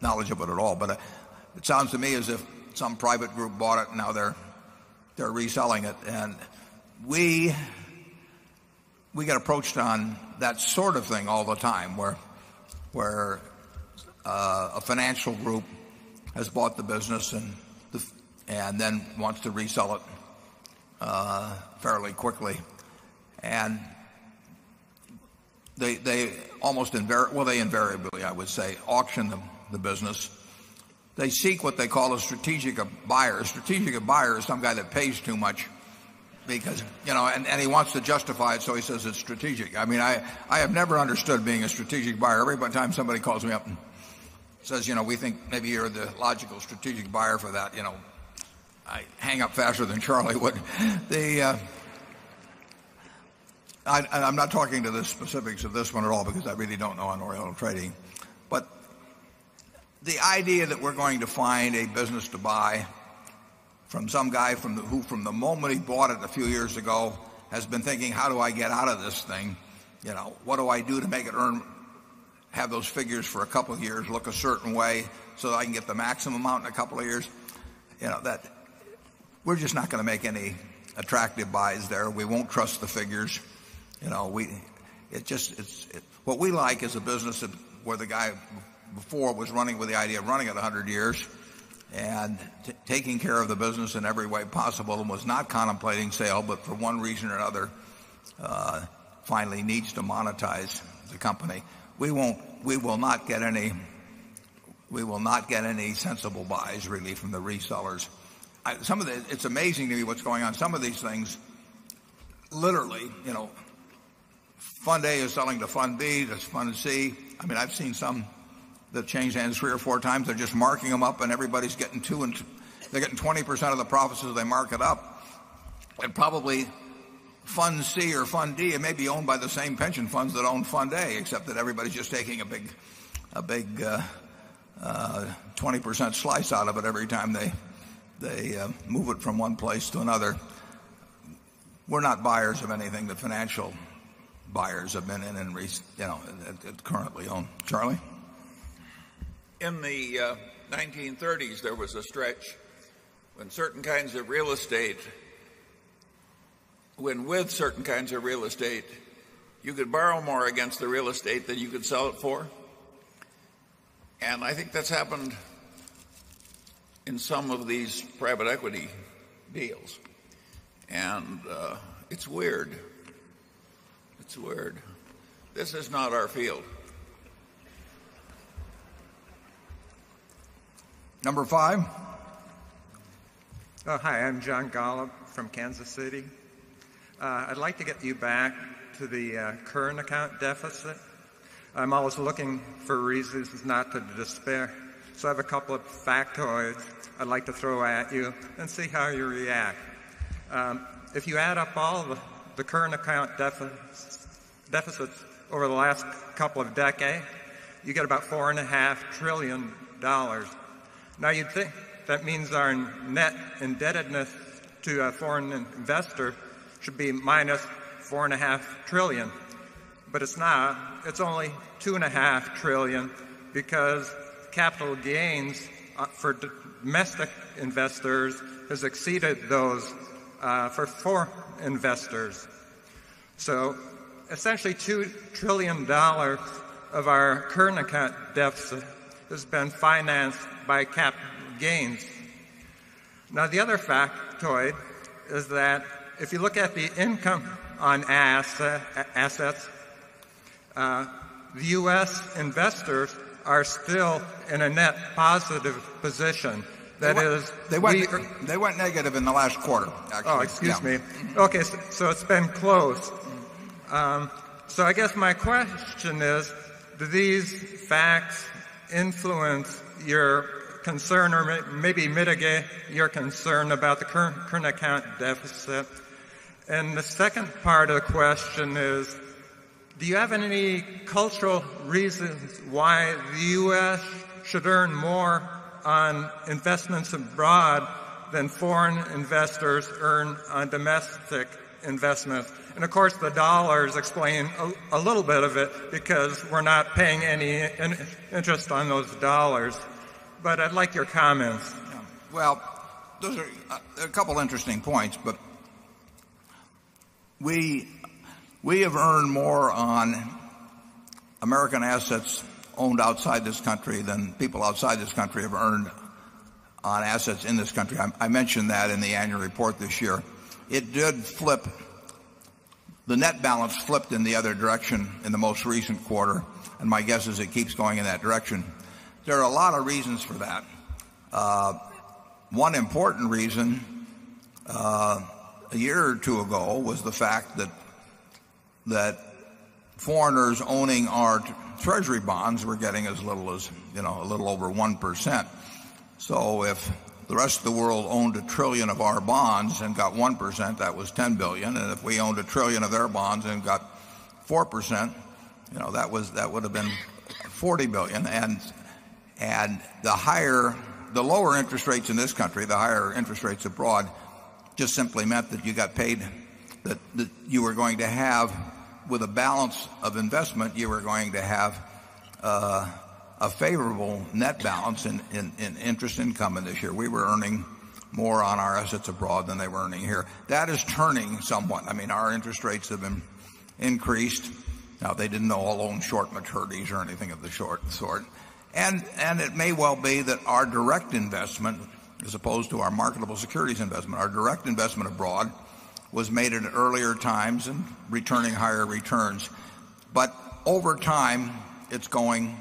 knowledge of it at all, but it sounds to me as if some private group bought it and now they're reselling it. And we get approached on that sort of thing all the time where a financial group has bought the business and then wants to resell it fairly quickly. And they almost well, they invariably, I would say, auction the business. They seek what they call a strategic buyer. Strategic buyer is some guy that pays too much because and he wants to justify it so he says it's strategic. I mean, have never understood being a strategic buyer. Every time somebody calls me up and says, we think maybe you're the logical strategic buyer for that. I hang up faster than Charlie. I'm not talking to the specifics of this one at all because I really don't know on O'Reilly trading. But the idea that we're going to find a business to buy from some guy from the who from the moment he bought it a few years ago has been thinking how do I get out of this thing, what do I do to make it earn have those figures for a couple of years look a certain way so I can get the maximum amount in a couple of years. We're just not going to make any attractive buys there. We won't trust the figures. We it just what we like is a business where the guy before was running with the idea of running it 100 years and taking care of the business in every way possible and was not contemplating sale, but for one reason or another, finally needs to monetize the company. We won't we will not get any we will not get any sensible buys really from the resellers. Some of it it's amazing to me what's going on. Some of these things literally, Fund A is selling to Fund B, that's Fund C. I mean, I've seen some that change hands 3 or 4 times. They're just marking them up and everybody's getting 2% and they're getting 20% of the profits as they mark it up. And probably Fund C or Fund D. It may be owned by the same pension funds that own Fund A except that everybody's just taking a big 20% slice out of it every time they move it from one place to another. We're not buyers of anything. The financial buyers have been in and currently own. Charlie? In the 1930s, there was a stretch when certain kinds of real estate when with certain kinds of real estate, you could borrow more against the real estate than you could sell it for. And I think that's happened in some of these private equity deals. And it's weird. It's weird. This is not our field. Number 5. Hi. I'm John Golub from Kansas City. I'd like to get you back to the current account deficit. I'm always looking for reasons not to despair. So I have a couple of factoids I'd like to throw at you and see how you react. If you add up all the current account deficits over the last couple of decades, you get about $4,500,000,000,000 Now you'd think that means our net indebtedness to a foreign investor should be minus 4.50000000000,000,000,000, but it's not. It's only 2.50000000000,000,000,000 because capital gains for domestic investors has exceeded those for 4 investors. So essentially $2,000,000,000,000 of our current account debts has been financed by cap gains. Now the other factoid is that if you look at the income on assets, the U. S. Investors are still in a net positive position. That is They went negative in the last quarter, actually. Excuse me. Okay. So it's been close. So I guess my question is, do these facts influence your concern or maybe mitigate your concern about the current account deficit? And the second part of the question is, do you have any cultural reasons why the U. S. Should earn more on investments abroad than foreign investors earn on domestic investments. And of course, the dollars explain a little bit of it because we're not paying any interest on those dollars. But I'd like your comments. Well, those are a couple of interesting points, but we have earned more on American assets owned outside this country than people outside this country have earned on assets in this country. I mentioned that in the annual report this year. It did flip the net balance flipped in the other direction in the most recent quarter, and my guess is it keeps going in that direction. There are a lot of reasons for that. One important reason a year or 2 ago was the fact that foreigners owning our treasury bonds were getting as little as a little over 1%. So if the rest of the world owned $1,000,000,000,000 of our bonds and got 1%, that was $10,000,000,000 And if we owned $1,000,000,000,000 of their bonds and got 4%, that was that would have been $40,000,000,000 And the higher the lower interest rates in this country, the higher interest rates abroad just simply meant that you got paid that you were going to have with a balance of investment, you were going to have a favorable net balance in interest income in this year. We were earning more on our assets abroad than they were earning here. That is turning somewhat. I mean, our interest rates have been increased. Now they didn't all loan short maturities or anything of the short sort. And it may well be that our direct investment as opposed to our marketable securities investment, our direct investment abroad was made in earlier times and returning higher returns. But over time, it's going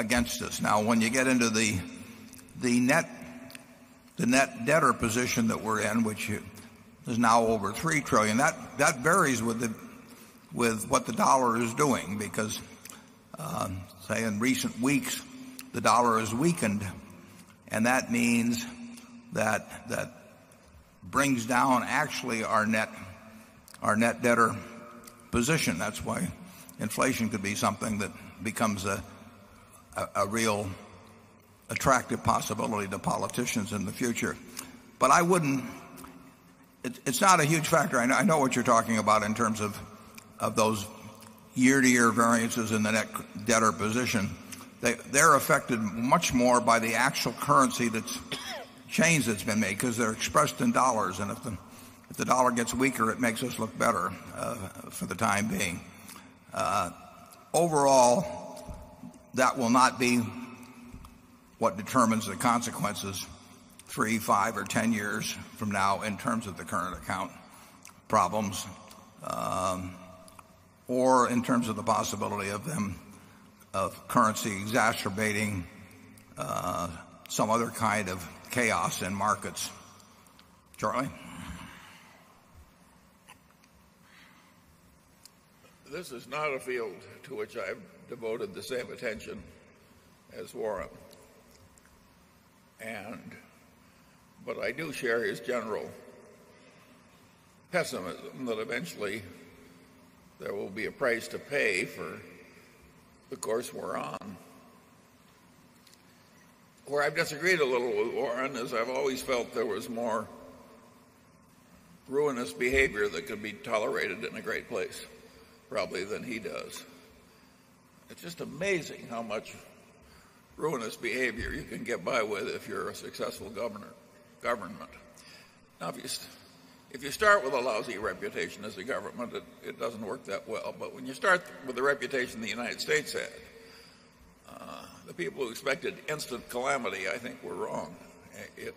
against us. Now when you get into the net debtor position that we're in, which is now over $3,000,000,000,000 that that varies with the with what the dollar is doing because, say in recent weeks, the dollar has weakened and that means that that brings down actually our net debtor position. That's why inflation could be something that becomes a real attractive possibility to politicians in the future. But I wouldn't it's not a huge factor. I know what you're talking about in terms of those year to year variances in the net debtor position. They're affected much more by the actual currency that's change that's been made because they're expressed in dollars. And if the dollar gets weaker, it makes us look better for the time being. Overall, that will not be what determines the consequences 3, 5 or 10 years from now in terms of the current account problems or in terms of the possibility of them of currency exacerbating some other kind of chaos in markets. Charlie? This is not a field to which I've devoted the same attention as Warren. And but I do share his general pessimism that eventually there will be a price to pay for the course we're on. I've disagreed a little with Warren is I've always felt there was more ruinous behavior that could be tolerated in a great place probably than he does. It's just amazing how much ruinous behavior you can get by with if you're a successful government. If you start with a lousy reputation as a government, it doesn't work that well. But when you start with the reputation the United States had, the people who expected instant calamity, I think, were wrong. It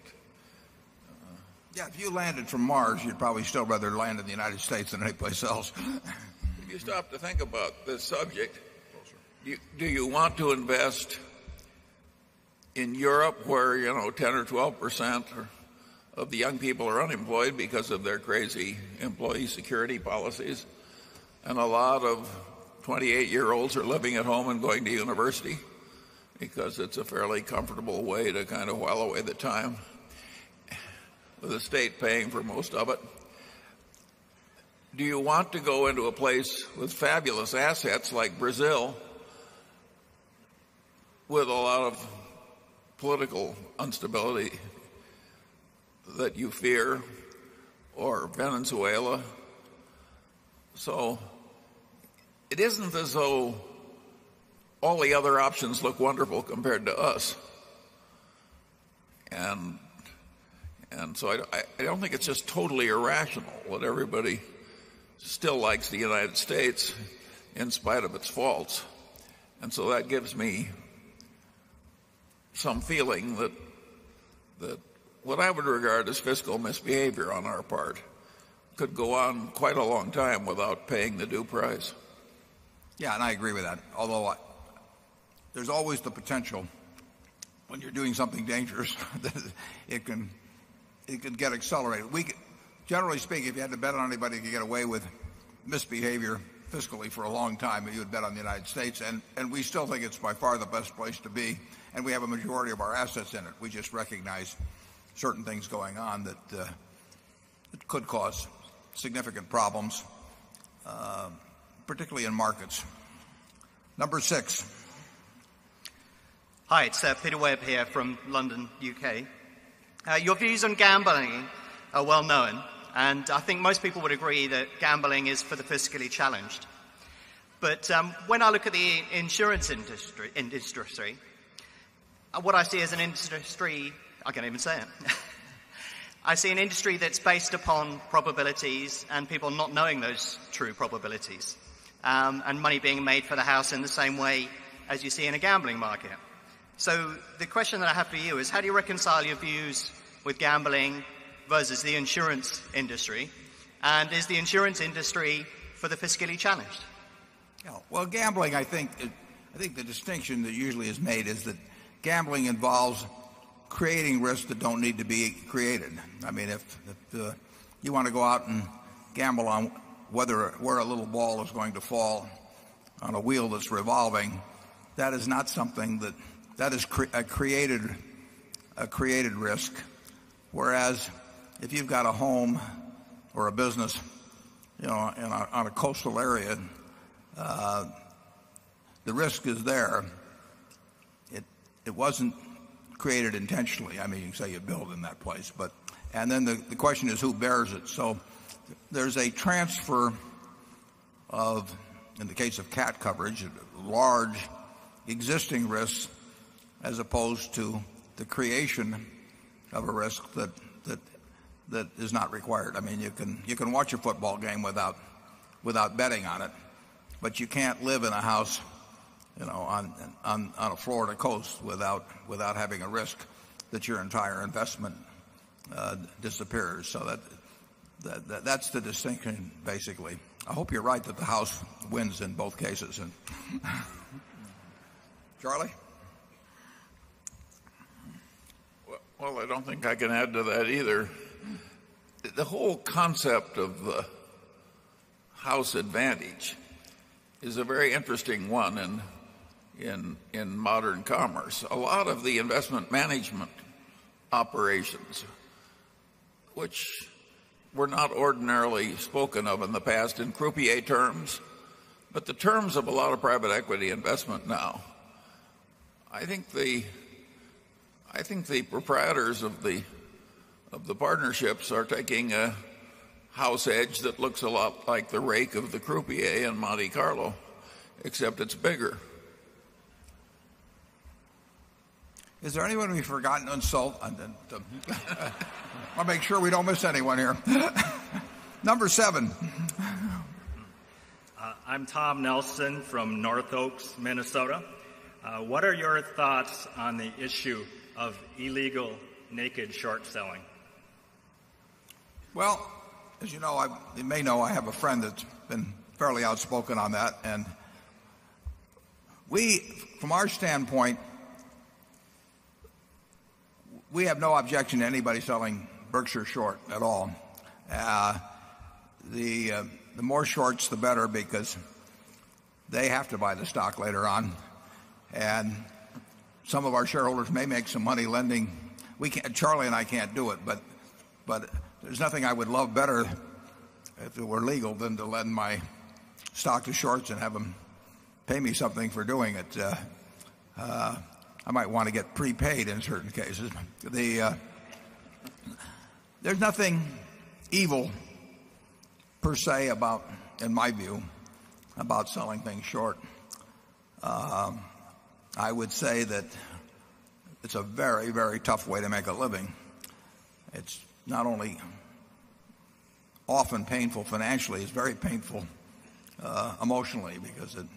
Yes. If you landed from Mars, you'd probably still rather land in the United stop to think about this subject, do you want to invest in Europe where 10% or 12% of the young people are unemployed because of their crazy employee security policies? And a lot of 28 year olds are living at home and going to university because it's a fairly comfortable way to kind of while away the time, the state paying for most of it. Do you want to go into a place with fabulous assets like Brazil with a lot of political instability that you fear or Venezuela. So it isn't as though all the other options look wonderful compared to us. And so I don't think it's just totally irrational that everybody still likes the United States in spite of its faults. And so that gives me some feeling that what I would regard as fiscal misbehavior on our part could go on quite a long time without paying the due price. Yes, and I agree with that. Although there's always the potential when you're doing something dangerous, it can get accelerated. We generally speaking, if you had to bet on anybody to get away with misbehavior fiscally for a long time, you would bet on the United States. And we still think it's by far the best place to be. And we have a majority of our assets in it. We just recognize certain things going on that could cause significant problems, particularly in markets. Number 6. It's Peter Webb here from London, U. K. Your views on gambling are well known and I think most people would agree that gambling is for the fiscally challenged. But when I look at the insurance industry, what I see as an industry I can't even say it. I see an industry that's based upon probabilities and people not knowing those true probabilities and money being made for the house in the same way as you see in a gambling market. So the question that I have for you is how do you reconcile your views with gambling versus the insurance industry? And is the insurance industry for the fiscally challenged? Well, gambling, I think the distinction that usually is made is that gambling involves creating risks that don't need to be created. I mean, if you want to go out and gamble on whether where a little ball is going to fall on a wheel that's revolving, that is not something that that is created a created risk. Whereas if you've got a home or a business on a coastal area, the risk is there. It wasn't created intentionally. I mean, say, you build in that place, but and then the question is who bears it. So there's a transfer of, in the case of cat coverage, large existing risks as opposed to the creation of a risk that is not required. I mean, you can watch your football game without betting on it, but you can't live in a house on a Florida coast without having a risk that your entire investment disappears. So that's the distinction basically. I hope you're right that the House wins in both cases. Charlie? Well, I don't think I can add to that either. The whole concept of house advantage is a very interesting one in modern commerce. A lot of the investment management operations, which were not ordinarily spoken of in the past in croupier terms, but the terms of a lot of private equity investment now. I think the proprietors of the partnerships are taking a house edge that looks a lot like the rake of the Croupier and Monte Carlo, except it's bigger. Is there anyone we've forgotten to insult? I'll make sure we don't miss anyone here. Number 7. I'm Tom Nelson from North Oaks, Minnesota. What are your thoughts on the issue of illegal naked short selling? Well, as you know, I you may know I have a friend that's been fairly outspoken on that. And we from our standpoint, we have no objection to anybody selling Berkshire Short at all. The more shorts the better because they have to buy the stock later on. And some of our shareholders may make some money lending. We can't Charlie and I can't do it, but there's nothing I would love better if it were legal than to lend my stock to shorts and have them pay me something for doing it. I might want to get prepaid in certain cases. There's nothing evil per se about in my view about selling things short. I would say that it's a very, very tough way to make a living. It's not only often painful financially, it's very painful emotionally because a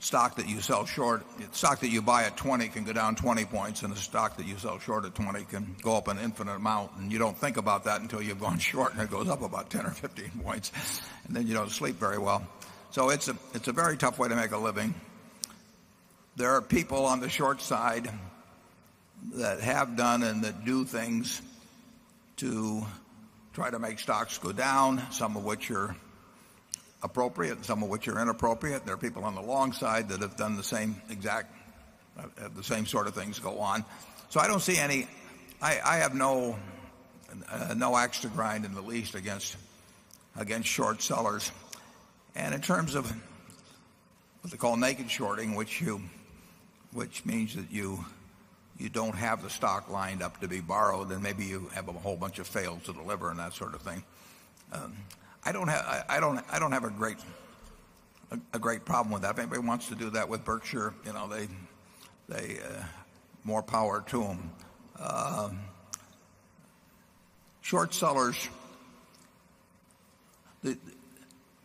stock that you sell short stock that you buy at 20 can go down 20 points and the stock you sell short at 20 can go up an infinite amount. And you don't think about that until you've gone short and it goes up about 10 or 15 points and then you don't sleep very well. So it's a very tough way to make a living. There are people on the short side that have done and that do things to try to make stocks go down, some of which are appropriate, some of which are inappropriate. There are people on the long side that have done the same exact the same sort of things go on. So I don't see any I have no no extra grind in the least against against short sellers. And in terms of what's it called, naked shorting, which you which means that you don't have the stock lined up to be borrowed and maybe you have a whole bunch of failed to deliver and that sort of thing. I don't have a great problem with that. If anybody wants to do that with Berkshire, they more power to them. Short sellers,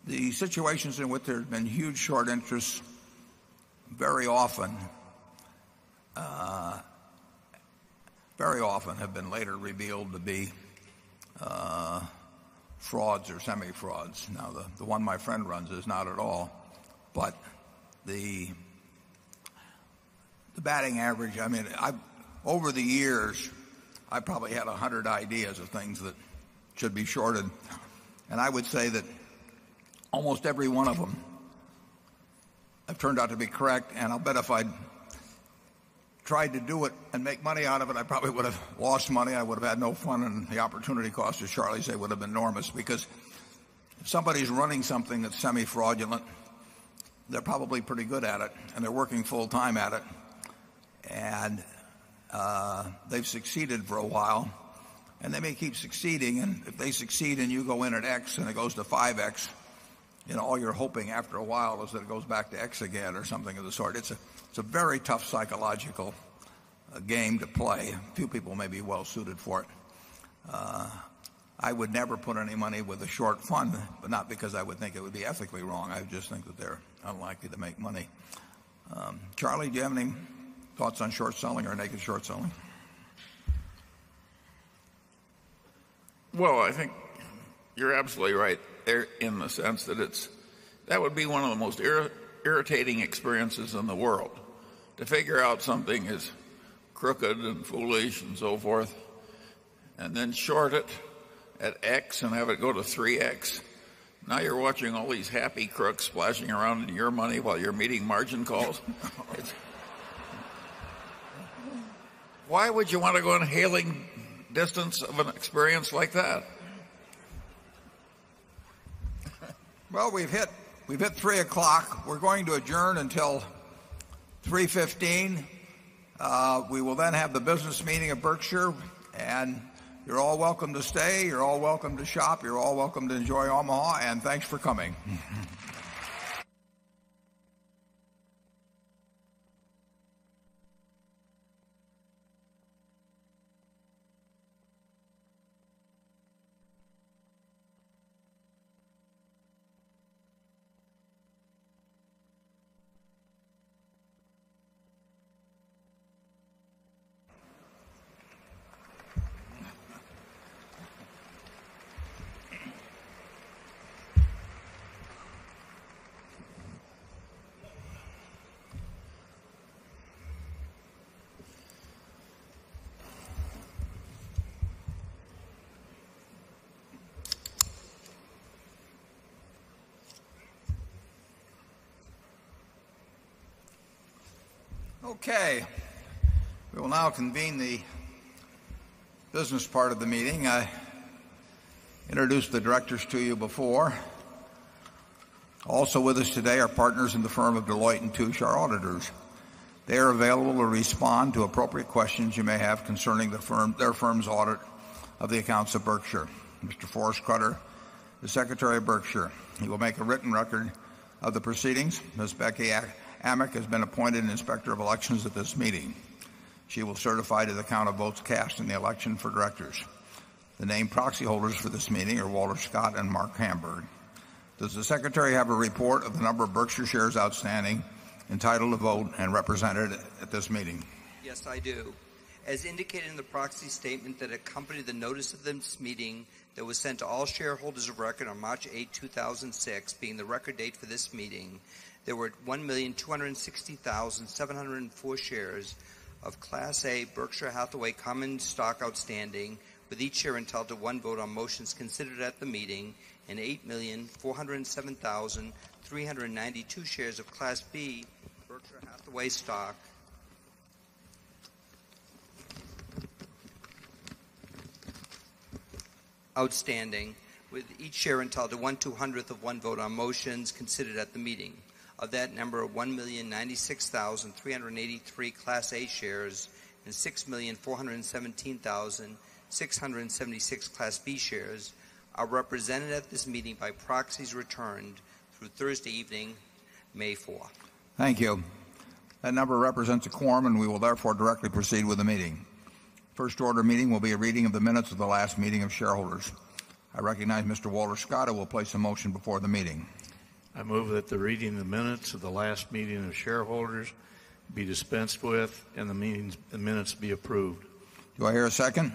the situations in which there have been huge short interests very often very often have been later revealed to be frauds or semi frauds. Now the one my friend runs is not at all. But the batting average, I mean, I've over the years, I probably had a 100 ideas of things that should be shorted. And I would say that almost every one of them have turned out to be correct. And I'll bet if I'd tried to do it and make money out of it, I probably would have lost money. I would have had no fun, and the opportunity cost of Charlie's day would have been enormous because if somebody is running something that's semi fraudulent, they're probably pretty good at it and they're working full time at it. And they've succeeded for a while and they may keep succeeding. And if they succeed and you go in at x and it goes to 5x, all you're hoping after a while is that it goes back to x again or something of the sort. It's a very tough psychological game to play. Few people may be well suited for it. I would never put any money with a short fund, but not because I would think it would be ethically wrong. I just think that they're unlikely to make money. Charlie, do you have any thoughts on short selling or naked short selling? Well, I think you're absolutely right there in the sense that it's that would be one of the most irritating experiences in the world to figure out something is crooked and foolish and so forth and then short it at X and have it go to 3X. Now you're watching all these happy crooks splashing around in your money while you're meeting margin calls. Why would you want to go in a hailing distance of an experience like that? Well, we've hit 3 We're going to adjourn until 3:15. We will then have the business meeting of Berkshire. And you're all welcome to stay. You're all welcome to shop. You're all welcome to enjoy Omaha. And thanks for coming. Okay. We will now convene the business part of the meeting. I introduced the directors to you before. Also with us today are partners in the firm of Deloitte and Touche, our auditors. They are available to respond to appropriate questions you may have concerning the firm their firm's audit of the accounts of Berkshire. Mr. Forrest Carter, the Secretary of Berkshire, he will make a written record of the proceedings. Ms. Becky Amick has been appointed an inspector of elections at this meeting. She will certify to the count of votes cast in the election for directors. The named proxy holders for this meeting are Walter Scott and Mark Hamburg. Does the Secretary have a report of the number of Berkshire shares outstanding entitled to vote and represented at this meeting? SECRETARY Yes, I do. As indicated in the proxy statement that accompany the notice of this meeting that was sent to all shareholders of record on March 8, 2006, being the record date for this meeting, there were 1,260,704 shares of Class A Berkshire Hathaway common stock outstanding with each share entitled to one vote on motions considered at the meeting and 8,407,392 shares of Class B Berkshire outstanding with each share entitled onetwo hundredth of one vote on motions considered at the meeting. Of that number, 1,096,383 Class A Shares and 6,417,676 Class B Shares are represented at this meeting by proxies returned through Thursday evening, May 4. Thank you. That number represents a quorum, and we will therefore directly proceed with the meeting. First order meeting will be a reading of the minutes of the last meeting of shareholders. I recognize Mr. Walter Scott, who will place a motion before the meeting. I move that the reading of the minutes of the last meeting of shareholders be dispensed with and the meetings the minutes be approved. Do I hear a second?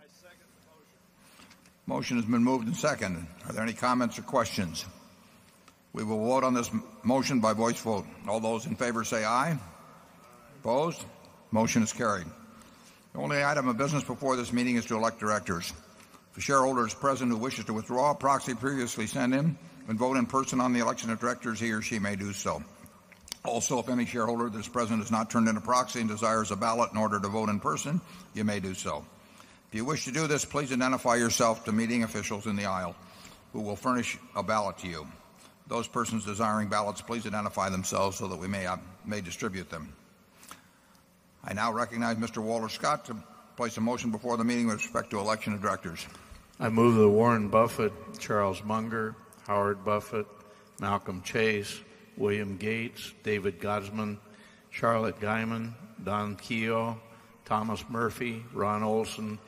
I second the motion. Motion has been moved and seconded. Are there any comments or questions? We will vote on this motion by voice vote. All those in favor, say aye. Opposed? Motion is carried. The only item of business before this meeting is to elect directors. If a shareholder is present who wishes to withdraw a proxy previously sent in and vote in person on the election of directors, he or she may do so. Also, if any shareholder that this president has not turned into proxy and desires a ballot in order to vote in person, you may do so. If you wish to do this, please identify yourself to meeting officials in the aisle who will furnish a ballot to you. Those persons desiring ballots, please identify themselves so that we may distribute them. I now recognize Mr. Walter Scott to place a motion before the meeting with respect to election of directors. I move that Warren Buffett, Charles Munger, Howard Buffett, Malcolm Chase, William Gates, David Godsmond, Charlotte Guymon, Don Keogh, Thomas Murphy, Ron Olson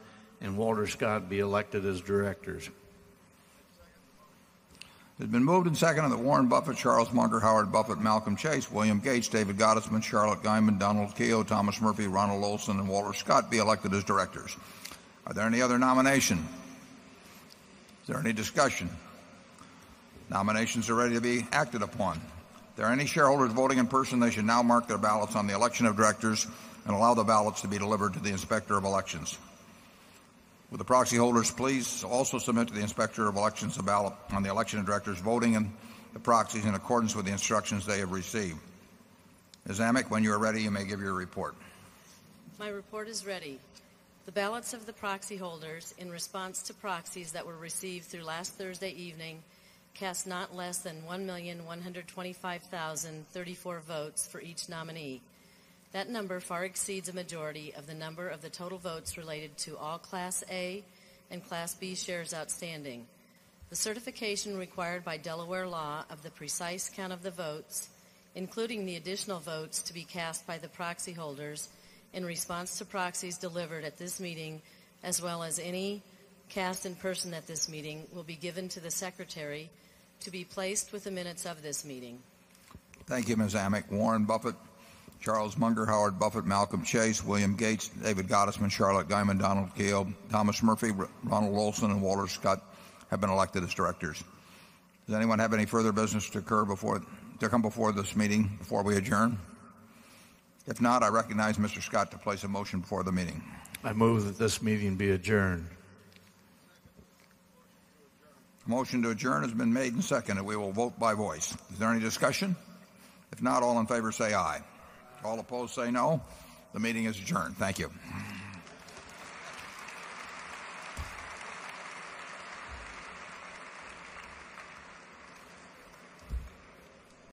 and Walter Scott be elected as Directors. It's been moved and seconded that Warren Buffett, Charles Munger, Howard Buffett, Malcolm Chase, William Gates, David Gottesman, Charlotte Guyman, Donald Keogh, Thomas Murphy, Ronald Olson, and Walter Scott be elected as directors. Are there any other nomination? Is there any discussion? Nominations are ready to be acted upon. If there are any shareholders voting in person, they should now mark their ballots on the election of directors and allow the ballots to be delivered to the Inspector of Elections. Will the proxy holders please also submit to the Inspector of Elections a ballot on the election of directors voting and the proxies in accordance with the instructions they have received? Ms. Amik, when you are ready, you may give your report. My report is ready. The balance of the proxy holders in response to proxies that were received through last Thursday evening cast not less than 1,125,034 votes for each nominee. That number far exceeds a majority of the number of the total votes related to all Class A and Class B shares outstanding. The certification required by Delaware law of the precise count of the votes, including the additional votes to be cast by the proxy holders in response to proxies delivered at this meeting as well as any cast in person at this meeting will be given to the Secretary to be placed with the minutes of this meeting. Thank you, Ms. Amick. Warren Buffett, Charles Munger, Howard Buffett, Malcolm Chase, William Gates, David Gottesman, Charlotte Guymon, Donald Gail, Thomas Murphy, Ronald Wilson and Walter Scott have been elected as Directors. Does anyone have any further business to occur before to come before this meeting before we adjourn? If not, I recognize Mr. Scott to place a motion before the meeting. I move that this meeting be adjourned. Motion to adjourn has been made and seconded, we will vote by voice. Is there any discussion? If not, all in favor, say aye. All opposed, say no. The meeting is adjourned. Thank you.